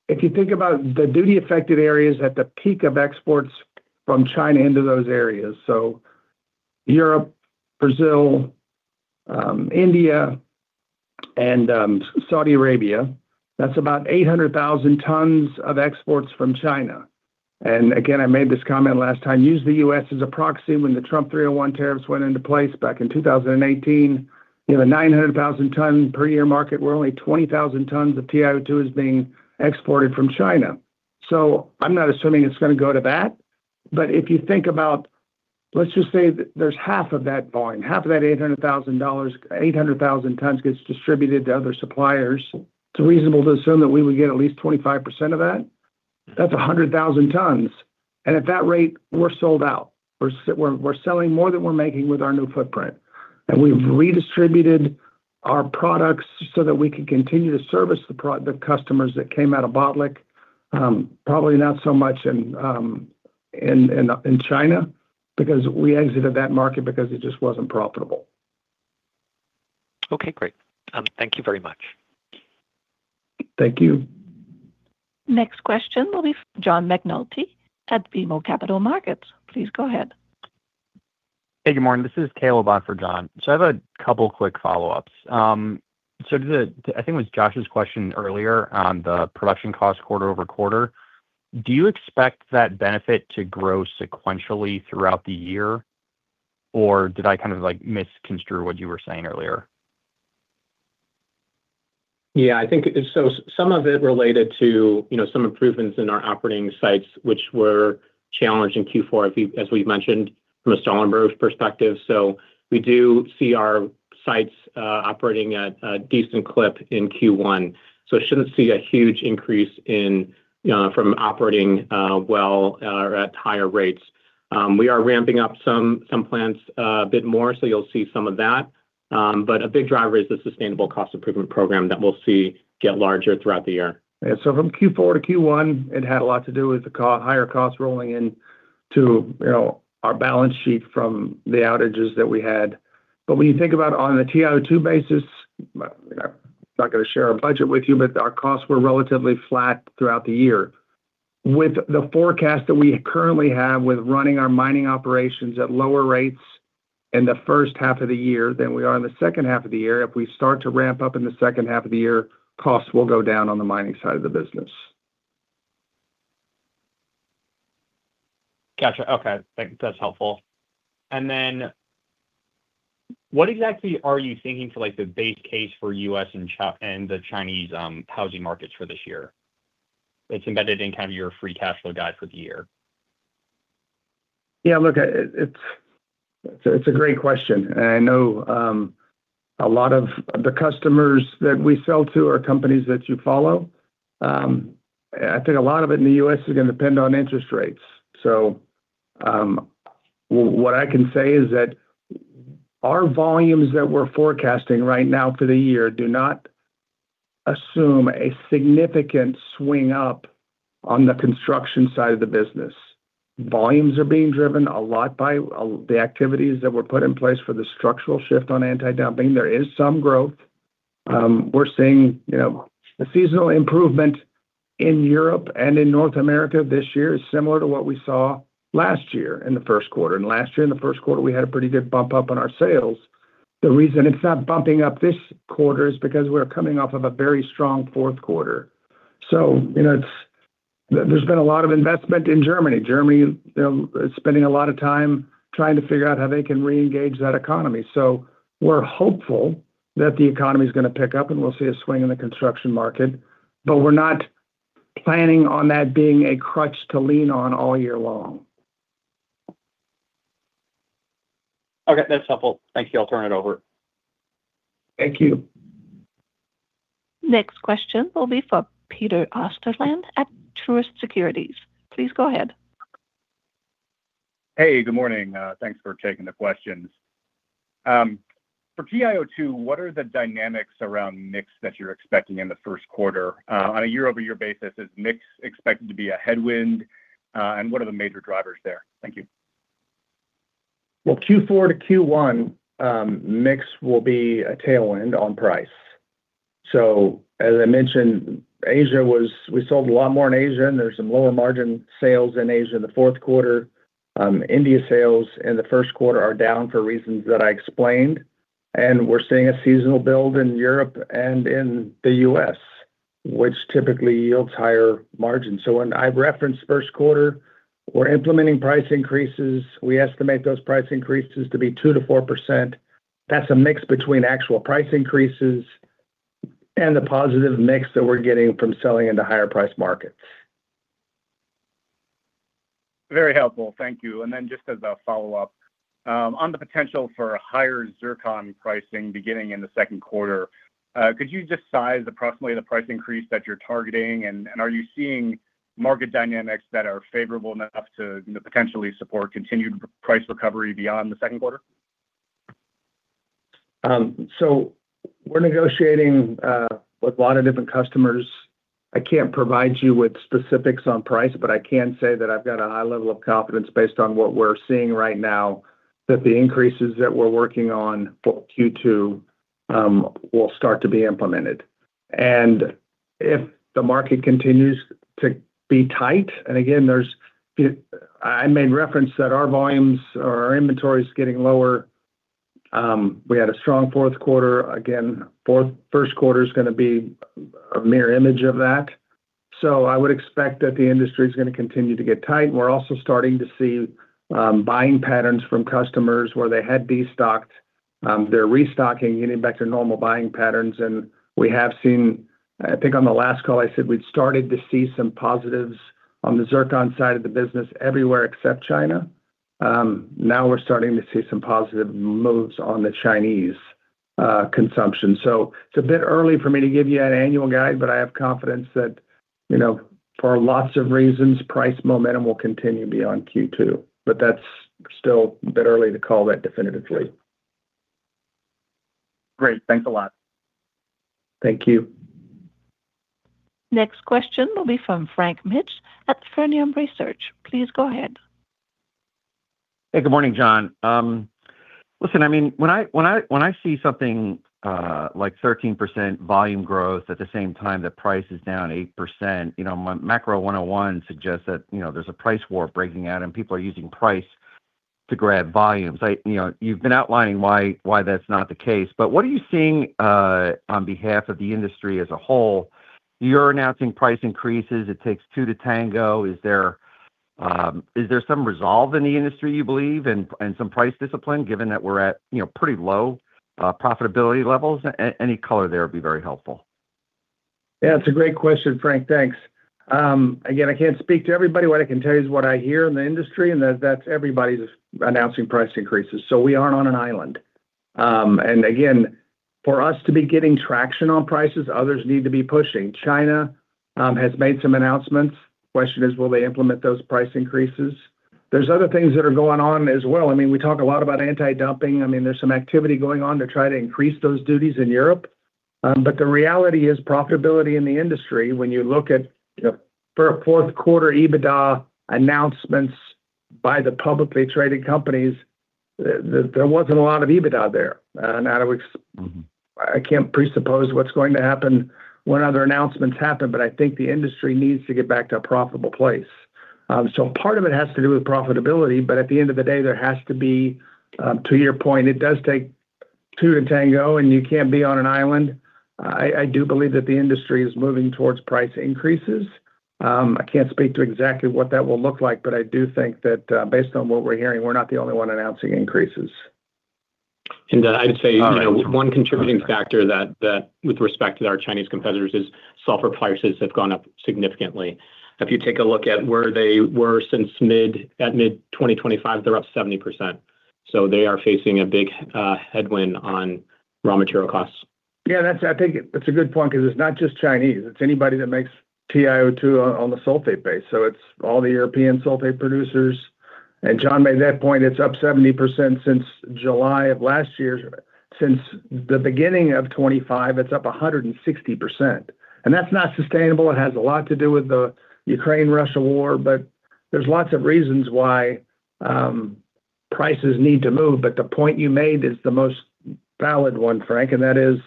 If you think about the duty-affected areas at the peak of exports from China into those areas, so Europe, Brazil, India, and Saudi Arabia, that's about 800,000 tons of exports from China. And again, I made this comment last time, use the US as a proxy when the Trump 301 tariffs went into place back in 2018. You know, 900,000 ton per year market, where only 20,000 tons of TiO2 is being exported from China. So I'm not assuming it's gonna go to that, but if you think about. Let's just say that there's half of that volume, half of that eight hundred thousand dollars, 800,000 tons gets distributed to other suppliers. It's reasonable to assume that we would get at least 25% of that. That's 100,000 tons, and at that rate, we're sold out. We're selling more than we're making with our new footprint. And we've redistributed our products so that we can continue to service the customers that came out of Botlek. Probably not so much in China, because we exited that market because it just wasn't profitable. Okay, great. Thank you very much. Thank you. Next question will be John McNulty at BMO Capital Markets. Please go ahead. Hey, good morning. This is Caleb on for John. So I have a couple quick follow-ups. So the I think it was Josh's question earlier on the production cost quarter-over-quarter. Do you expect that benefit to grow sequentially throughout the year? Or did I kind of, like, misconstrue what you were saying earlier? Yeah, I think it, so some of it related to, you know, some improvements in our operating sites, which were challenged in Q4, as we've mentioned, from a Stallingborough perspective. So we do see our sites operating at a decent clip in Q1, so shouldn't see a huge increase in from operating well or at higher rates. We are ramping up some plants a bit more, so you'll see some of that. But a big driver is the sustainable cost improvement program that we'll see get larger throughout the year. And so from Q4 to Q1, it had a lot to do with the higher costs rolling into, you know, our balance sheet from the outages that we had. But when you think about on a TiO2 basis, not gonna share our budget with you, but our costs were relatively flat throughout the year. With the forecast that we currently have with running our mining operations at lower rates in the first half of the year than we are in the second half of the year, if we start to ramp up in the second half of the year, costs will go down on the mining side of the business. Gotcha. Okay, thank you. That's helpful. And then what exactly are you thinking for, like, the base case for U.S. and the Chinese housing markets for this year? It's embedded in kind of your free cash flow guide for the year. Yeah, look, it's a great question, and I know a lot of the customers that we sell to are companies that you follow. I think a lot of it in the U.S. is gonna depend on interest rates. So, what I can say is that our volumes that we're forecasting right now for the year do not assume a significant swing up on the construction side of the business. Volumes are being driven a lot by the activities that were put in place for the structural shift on anti-dumping. There is some growth. We're seeing, you know, a seasonal improvement in Europe and in North America. This year is similar to what we saw last year in the first quarter. And last year in the first quarter, we had a pretty good bump up in our sales. The reason it's not bumping up this quarter is because we're coming off of a very strong fourth quarter. So, you know, it's, there's been a lot of investment in Germany. Germany is spending a lot of time trying to figure out how they can reengage that economy. So we're hopeful that the economy is gonna pick up, and we'll see a swing in the construction market, but we're not planning on that being a crutch to lean on all year long. Okay, that's helpful. Thank you. I'll turn it over. Thank you. Next question will be for Peter Osterland at Truist Securities. Please go ahead. Hey, good morning. Thanks for taking the questions. For TiO2, what are the dynamics around mix that you're expecting in the first quarter? On a year-over-year basis, is mix expected to be a headwind, and what are the major drivers there? Thank you. Well, Q4 to Q1 mix will be a tailwind on price. So as I mentioned, Asia was, we sold a lot more in Asia, and there's some lower margin sales in Asia in the fourth quarter. India sales in the first quarter are down for reasons that I explained, and we're seeing a seasonal build in Europe and in the U.S., which typically yields higher margins. So when I reference first quarter, we're implementing price increases. We estimate those price increases to be 2%-4%. That's a mix between actual price increases and the positive mix that we're getting from selling into higher price markets. Very helpful. Thank you. Just as a follow-up, on the potential for a higher zircon pricing beginning in the second quarter, could you just size approximately the price increase that you're targeting? And are you seeing market dynamics that are favorable enough to potentially support continued price recovery beyond the second quarter? So we're negotiating with a lot of different customers. I can't provide you with specifics on price, but I can say that I've got a high level of confidence based on what we're seeing right now, that the increases that we're working on for Q2 will start to be implemented. And if the market continues to be tight, and again, I made reference that our volumes or our inventory is getting lower. We had a strong fourth quarter. Again, first quarter is gonna be a mirror image of that. So I would expect that the industry is gonna continue to get tight. We're also starting to see buying patterns from customers where they had destocked. They're restocking, getting back to normal buying patterns, and we have seen-- I think on the last call, I said we'd started to see some positives on the zircon side of the business everywhere except China. Now we're starting to see some positive moves on the Chinese consumption. So it's a bit early for me to give you an annual guide, but I have confidence that, you know, for lots of reasons, price momentum will continue beyond Q2. But that's still a bit early to call that definitively. Great. Thanks a lot. Thank you. Next question will be from Frank Mitsch at Fermium Research. Please go ahead. Hey, good morning, John. Listen, I mean, when I see something like 13% volume growth at the same time, the price is down 8%, you know, my macro 101 suggests that, you know, there's a price war breaking out, and people are using price to grab volumes. You know, you've been outlining why that's not the case, but what are you seeing on behalf of the industry as a whole? You're announcing price increases. It takes two to tango. Is there some resolve in the industry, you believe, and some price discipline, given that we're at, you know, pretty low profitability levels? Any color there would be very helpful. Yeah, it's a great question, Frank. Thanks. Again, I can't speak to everybody. What I can tell you is what I hear in the industry, and that's everybody's announcing price increases. So we aren't on an island. And again, for us to be getting traction on prices, others need to be pushing. China has made some announcements. The question is, will they implement those price increases? There's other things that are going on as well. I mean, we talk a lot about anti-dumping. I mean, there's some activity going on to try to increase those duties in Europe. But the reality is profitability in the industry, when you look at, you know, for a fourth quarter, EBITDA announcements by the publicly traded companies, there, there wasn't a lot of EBITDA there. Now, I can't presuppose what's going to happen when other announcements happen, but I think the industry needs to get back to a profitable place. So part of it has to do with profitability, but at the end of the day, there has to be, to your point, it does take two to tango, and you can't be on an island. I do believe that the industry is moving towards price increases. I can't speak to exactly what that will look like, but I do think that, based on what we're hearing, we're not the only one announcing increases. All right I'd say one contributing factor that with respect to our Chinese competitors, is sulfur prices have gone up significantly. If you take a look at where they were since mid-2025, they're up 70%. So they are facing a big headwind on raw material costs. Yeah, that's, I think it's a good point 'cause it's not just Chinese. It's anybody that makes TiO2 on the sulfate base. So it's all the European sulfate producers. And John made that point, it's up 70% since July of last year. Since the beginning of 2025, it's up 160%. And that's not sustainable. It has a lot to do with the Ukraine-Russia war, but there's lots of reasons why prices need to move. But the point you made is the most valid one, Frank, and that is,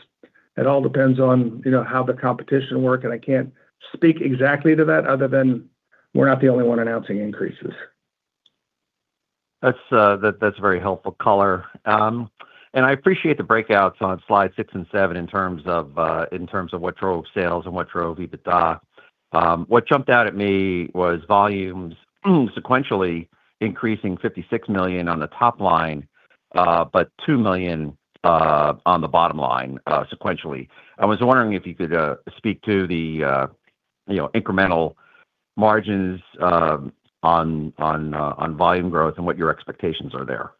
it all depends on, you know, how the competition work, and I can't speak exactly to that other than we're not the only one announcing increases. That's, that's very helpful color. And I appreciate the breakouts on Slide 6 and 7 in terms of, in terms of what drove sales and what drove EBITDA. What jumped out at me was volumes, sequentially increasing $56 million on the top line, but $2 million, on the bottom line, sequentially. I was wondering if you could speak to the, you know, incremental margins, on, on, on volume growth and what your expectations are there.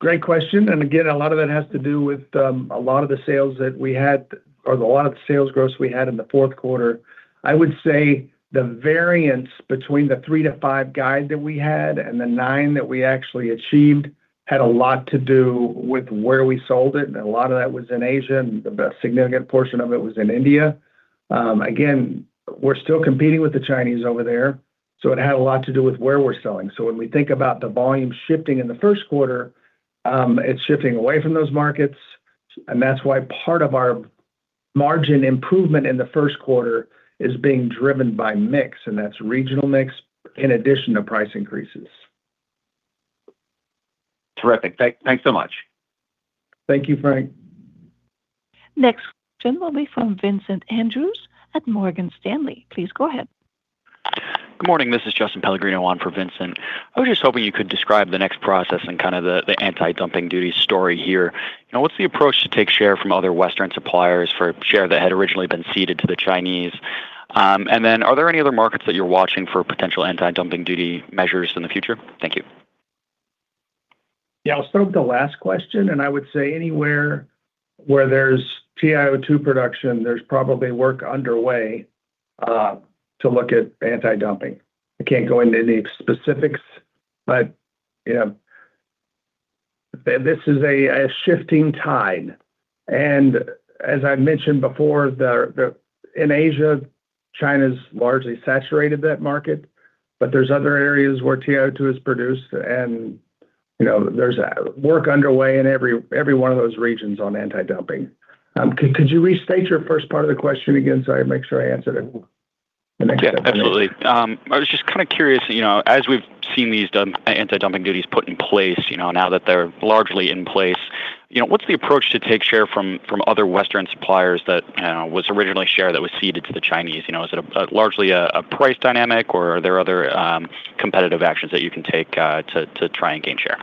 Great question. And again, a lot of that has to do with a lot of the sales that we had or a lot of the sales growth we had in the fourth quarter. I would say the variance between the three to five guide that we had and the nine that we actually achieved had a lot to do with where we sold it, and a lot of that was in Asia, and the significant portion of it was in India. Again, we're still competing with the Chinese over there, so it had a lot to do with where we're selling. So when we think about the volume shifting in the first quarter, it's shifting away from those markets, and that's why part of our margin improvement in the first quarter is being driven by mix, and that's regional mix, in addition to price increases. Terrific. Thanks so much. Thank you, Frank. Next question will be from Vincent Andrews at Morgan Stanley. Please go ahead. Good morning, this is Justin Pellegrino on for Vincent. I was just hoping you could describe the next process and kind of the anti-dumping duty story here. Now, what's the approach to take share from other Western suppliers for share that had originally been ceded to the Chinese? And then are there any other markets that you're watching for potential anti-dumping duty measures in the future? Thank you. Yeah, I'll start with the last question, and I would say anywhere where there's TiO2 production, there's probably work underway to look at anti-dumping. I can't go into any specifics, but, you know, this is a shifting tide. And as I mentioned before, in Asia, China's largely saturated that market, but there's other areas where TiO2 is produced, and, you know, there's work underway in every one of those regions on anti-dumping. Could you restate your first part of the question again, so I make sure I answered it? Yeah, absolutely. I was just kind of curious, you know, as we've seen these anti-dumping duties put in place, you know, now that they're largely in place. You know, what's the approach to take share from other Western suppliers that was originally share that was ceded to the Chinese? You know, is it largely a price dynamic, or are there other competitive actions that you can take to try and gain share?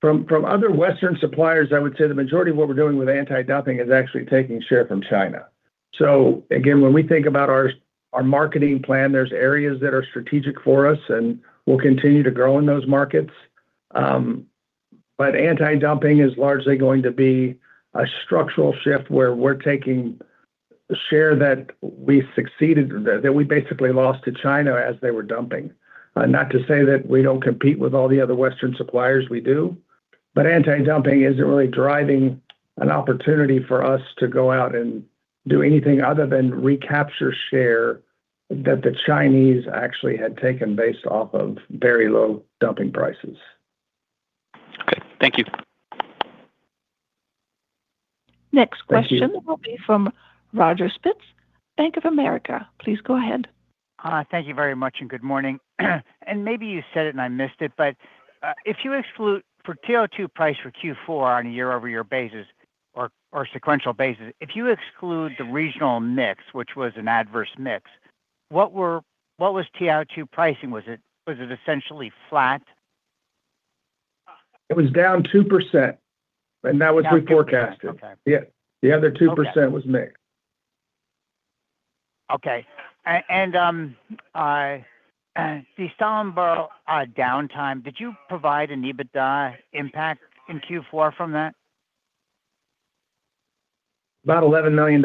From other Western suppliers, I would say the majority of what we're doing with anti-dumping is actually taking share from China. So again, when we think about our marketing plan, there's areas that are strategic for us, and we'll continue to grow in those markets. But anti-dumping is largely going to be a structural shift where we're taking share that we basically lost to China as they were dumping. Not to say that we don't compete with all the other Western suppliers, we do, but anti-dumping isn't really driving an opportunity for us to go out and do anything other than recapture share that the Chinese actually had taken based off of very low dumping prices. Okay. Thank you. Thank you. Next question will be from Roger Spitz, Bank of America. Please go ahead. Thank you very much, and good morning. Maybe you said it and I missed it, but if you exclude for TiO2 price for Q4 on a year-over-year basis or sequential basis, if you exclude the regional mix, which was an adverse mix, what was TiO2 pricing? Was it essentially flat? It was down 2%, and that was we forecasted. Okay. Yeah. The other 2% was mix. Okay. And the Stallingborough downtime, did you provide an EBITDA impact in Q4 from that? About $11 million.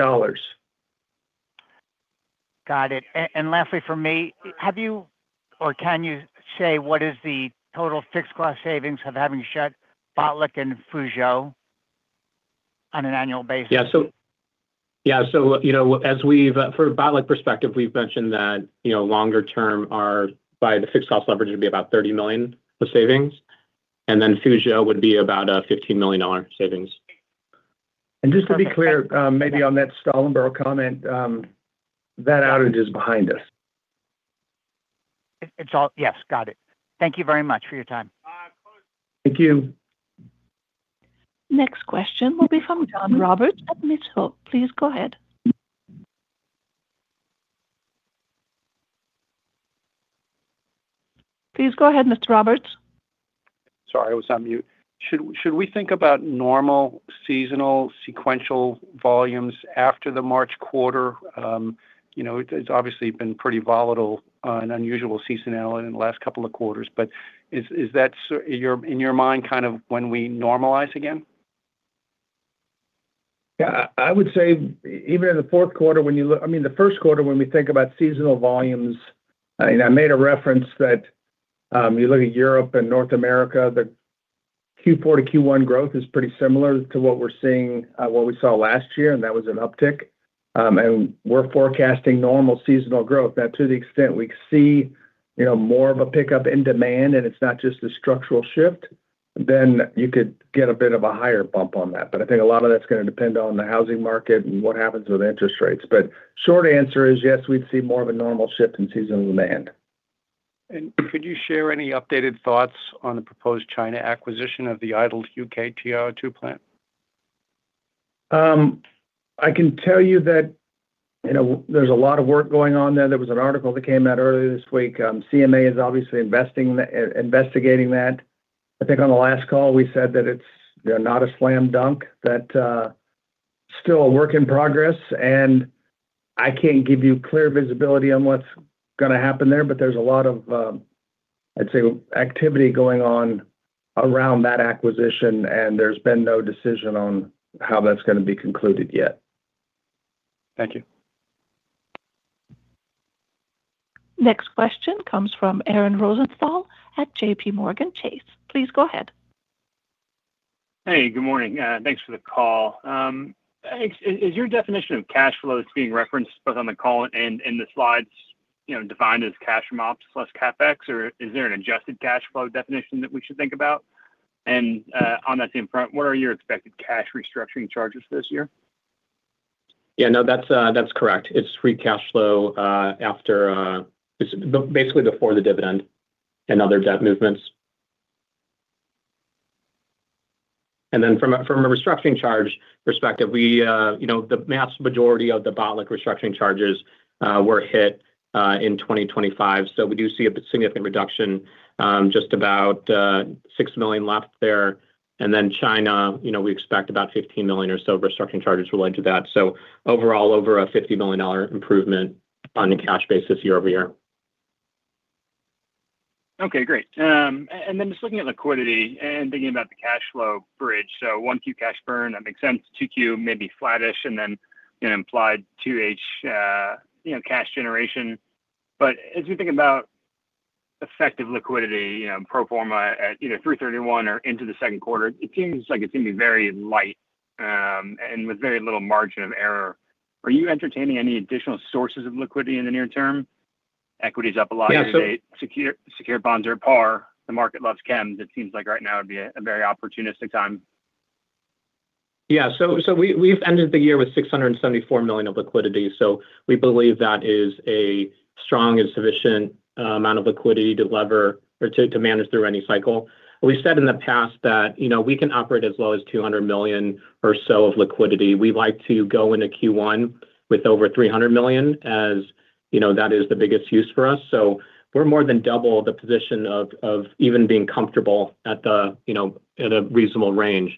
Got it. And lastly, for me, have you or can you say what is the total fixed cost savings of having shut Botlek and Fuzhou on an annual basis? Yeah, so, you know, as we've for Botlek perspective, we've mentioned that, you know, longer term, our fixed cost leverage would be about $30 million of savings, and then Fuzhou would be about $15 million dollar savings. Just to be clear, maybe on that Stallingborough comment, that outage is behind us. Yes, got it. Thank you very much for your time. Thank you. Next question will be from John Roberts at Mizuho. Please go ahead. Please go ahead, Mr. Roberts. Sorry, I was on mute. Should we think about normal seasonal sequential volumes after the March quarter? You know, it's obviously been pretty volatile and unusual seasonality in the last couple of quarters, but is that so? In your mind, kind of when we normalize again? Yeah, I would say even in the fourth quarter, when you look—I mean, the first quarter, when we think about seasonal volumes, and I made a reference that you look at Europe and North America, the Q4 to Q1 growth is pretty similar to what we're seeing, what we saw last year, and that was an uptick. And we're forecasting normal seasonal growth. Now, to the extent we see, you know, more of a pickup in demand and it's not just a structural shift, then you could get a bit of a higher bump on that. But I think a lot of that's gonna depend on the housing market and what happens with interest rates. But short answer is yes, we'd see more of a normal shift in seasonal demand. Could you share any updated thoughts on the proposed China acquisition of the idled U.K. TiO2 plant? I can tell you that, you know, there's a lot of work going on there. There was an article that came out earlier this week. CMA is obviously investigating that. I think on the last call, we said that it's not a slam dunk, that still a work in progress, and I can't give you clear visibility on what's gonna happen there. But there's a lot of, let's say, activity going on around that acquisition, and there's been no decision on how that's gonna be concluded yet. Thank you. Next question comes from Aaron Rosenthal at JPMorgan Chase. Please go ahead. Hey, good morning. Thanks for the call. Is your definition of cash flows being referenced both on the call and in the slides, you know, defined as cash from ops plus CapEx, or is there an adjusted cash flow definition that we should think about? And, on that same front, what are your expected cash restructuring charges this year? Yeah. No, that's correct. It's free cash flow after-- It's basically before the dividend and other debt movements. And then from a restructuring charge perspective, we, you know, the mass majority of the Botlek restructuring charges were hit in 2025. So we do see a significant reduction, just about $6 million left there. And then China, you know, we expect about $15 million or so restructuring charges related to that. So overall, over a $50 million improvement on a cash basis year-over-year. Okay, great. And then just looking at liquidity and thinking about the cash flow bridge. So 1Q cash burn, that makes sense, 2Q, maybe flattish, and then an implied 2H, you know, cash generation. But as you think about effective liquidity, you know, pro forma at 3/31 or into the second quarter, it seems like it's gonna be very light, and with very little margin of error. Are you entertaining any additional sources of liquidity in the near term? Equity is up a lot secured bonds are par. The market loves chem. It seems like right now would be a very opportunistic time. Yeah, so we’ve ended the year with $674 million of liquidity. So we believe that is a strong and sufficient amount of liquidity to lever or to manage through any cycle. We’ve said in the past that, you know, we can operate as low as $200 million or so of liquidity. We like to go into Q1 with over $300 million, as, you know, that is the biggest use for us. So we’re more than double the position of even being comfortable at the, you know, at a reasonable range.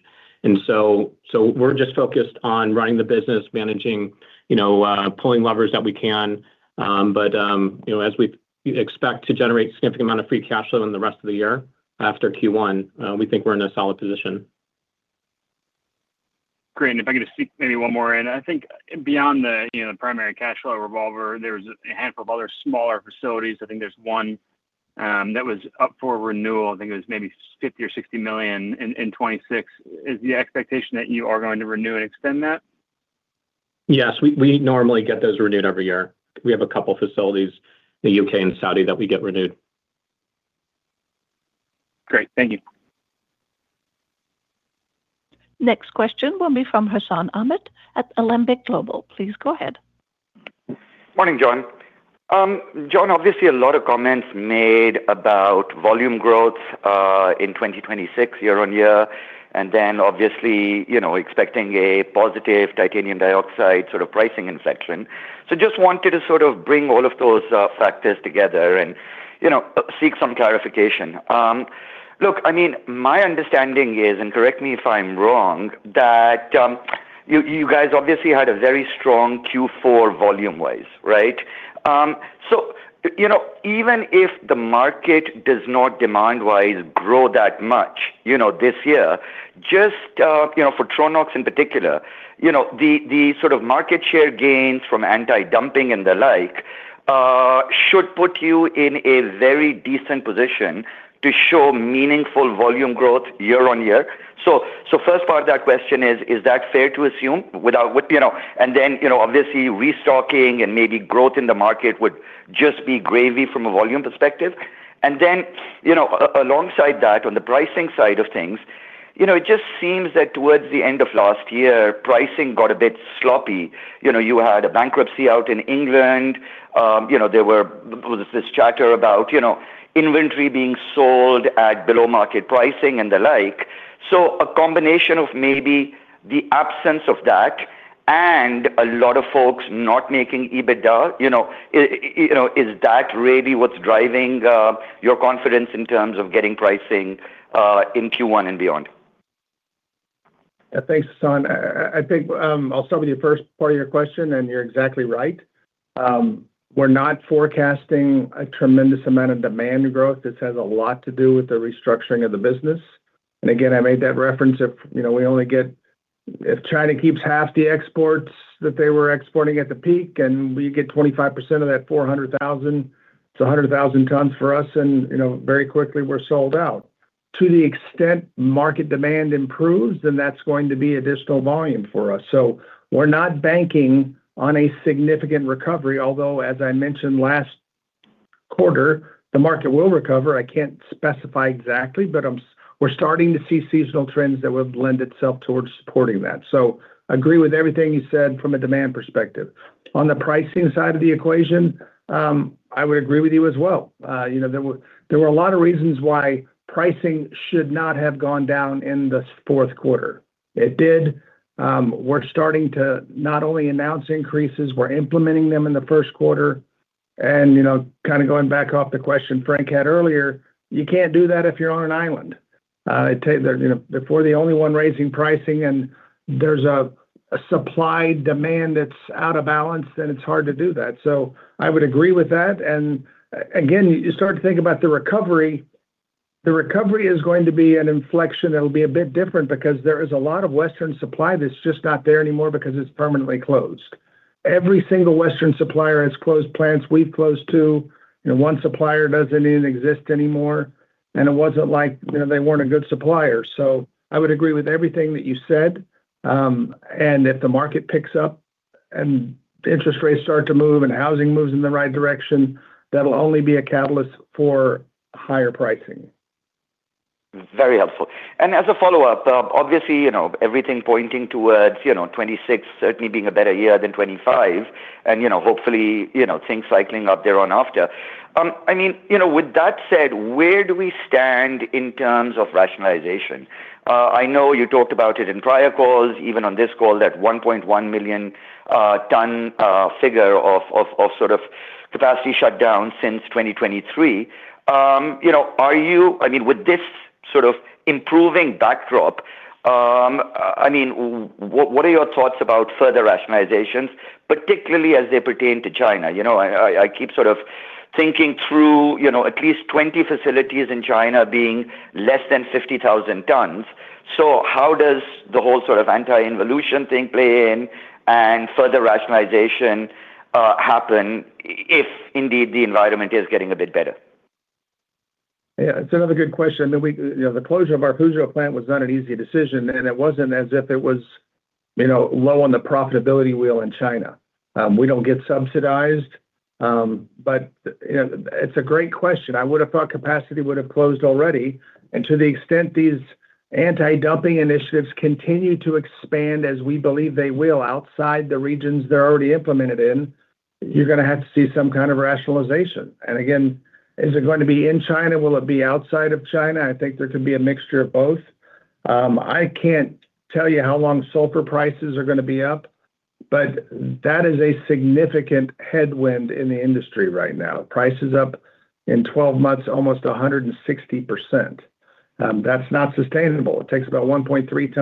So, we're just focused on running the business, managing, you know, pulling levers that we can, but, you know, as we expect to generate significant amount of free cash flow in the rest of the year after Q1, we think we're in a solid position. Great. If I could just sneak maybe one more in. I think beyond the, you know, the primary cash flow revolver, there's a handful of other smaller facilities. I think there's one that was up for renewal. I think it was maybe $50 or $60 million in 2026. Is the expectation that you are going to renew and extend that? Yes, we normally get those renewed every year. We have a couple facilities in the U.K. and Saudi that we get renewed. Great. Thank you. Next question will be from Hassan Ahmed at Alembic Global. Please go ahead. Morning, John. John, obviously, a lot of comments made about volume growth in 2026 year-on-year, and then obviously, you know, expecting a positive titanium dioxide sort of pricing inflection. So just wanted to sort of bring all of those factors together and, you know, seek some clarification. Look, I mean, my understanding is, and correct me if I'm wrong, that you guys obviously had a very strong Q4 volume-wise, right? So, you know, even if the market does not demand-wise grow that much, you know, this year, just you know, for Tronox in particular, you know, the sort of market share gains from anti-dumping and the like should put you in a very decent position to show meaningful volume growth year-on-year. So, first part of that question is, is that fair to assume? With, you know. And then, you know, obviously, restocking and maybe growth in the market would just be gravy from a volume perspective. And then, you know, alongside that, on the pricing side of things, you know, it just seems that towards the end of last year, pricing got a bit sloppy. You know, you had a bankruptcy out in England. You know, there was this chatter about, you know, inventory being sold at below market pricing and the like. So a combination of maybe the absence of that and a lot of folks not making EBITDA, you know, you know, is that really what's driving your confidence in terms of getting pricing in Q1 and beyond? Yeah, thanks, Hassan. I think, I'll start with the first part of your question, and you're exactly right. We're not forecasting a tremendous amount of demand growth. This has a lot to do with the restructuring of the business. And again, I made that reference, if you know we only get if China keeps half the exports that they were exporting at the peak, and we get 25% of that 400,000 tons, it's 100,000 tons for us, and, you know, very quickly, we're sold out. To the extent market demand improves, then that's going to be additional volume for us. So we're not banking on a significant recovery, although, as I mentioned last quarter, the market will recover. I can't specify exactly, but we're starting to see seasonal trends that will lend itself towards supporting that. So I agree with everything you said from a demand perspective. On the pricing side of the equation, I would agree with you as well. You know, there were, there were a lot of reasons why pricing should not have gone down in the fourth quarter. It did. We're starting to not only announce increases, we're implementing them in the first quarter. And, you know, kind of going back off the question Frank had earlier, you can't do that if you're on an island. I tell you, you know, if we're the only one raising pricing and there's a, a supply-demand that's out of balance, then it's hard to do that. So I would agree with that. And again, you start to think about the recovery. The recovery is going to be an inflection that will be a bit different because there is a lot of Western supply that's just not there anymore because it's permanently closed. Every single Western supplier has closed plants. We've closed, too, and one supplier doesn't even exist anymore, and it wasn't like, you know, they weren't a good supplier. So I would agree with everything that you said. If the market picks up and interest rates start to move and housing moves in the right direction, that'll only be a catalyst for higher pricing. Very helpful. As a follow-up, obviously, you know, everything pointing towards, you know, 2026 certainly being a better year than 2025, and, you know, hopefully, you know, things cycling up thereafter. I mean, you know, with that said, where do we stand in terms of rationalization? I know you talked about it in prior calls, even on this call, that 1.1 million ton figure of sort of capacity shut down since 2023. You know, are you—I mean, with this sort of improving backdrop, I mean, what are your thoughts about further rationalizations, particularly as they pertain to China? You know, I keep sort of thinking through, you know, at least 20 facilities in China being less than 50,000 tons. How does the whole sort of anti-involution thing play in and further rationalization happen if indeed the environment is getting a bit better? Yeah, it's another good question. You know, the closure of our Fuzhou plant was not an easy decision, and it wasn't as if it was, you know, low on the profitability wheel in China. We don't get subsidized, but, you know, it's a great question. I would have thought capacity would have closed already, and to the extent these anti-dumping initiatives continue to expand, as we believe they will, outside the regions they're already implemented in, you're gonna have to see some kind of rationalization. And again, is it going to be in China? Will it be outside of China? I think there could be a mixture of both. I can't tell you how long sulfur prices are gonna be up, but that is a significant headwind in the industry right now. Price is up in 12 months, almost 160%. That's not sustainable. It takes about 1.3 million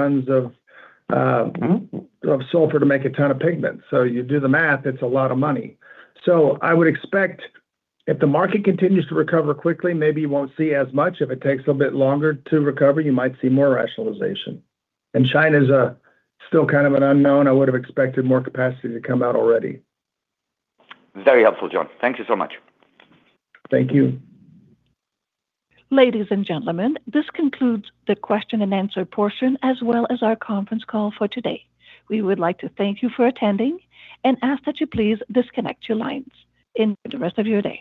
tons of sulfur to make a ton of pigment. So you do the math, it's a lot of money. So I would expect if the market continues to recover quickly, maybe you won't see as much. If it takes a bit longer to recover, you might see more rationalization. And China is still kind of an unknown. I would have expected more capacity to come out already. Very helpful, John. Thank you so much. Thank you. Ladies and gentlemen, this concludes the question-and-answer portion, as well as our conference call for today. We would like to thank you for attending and ask that you please disconnect your lines. Enjoy the rest of your day.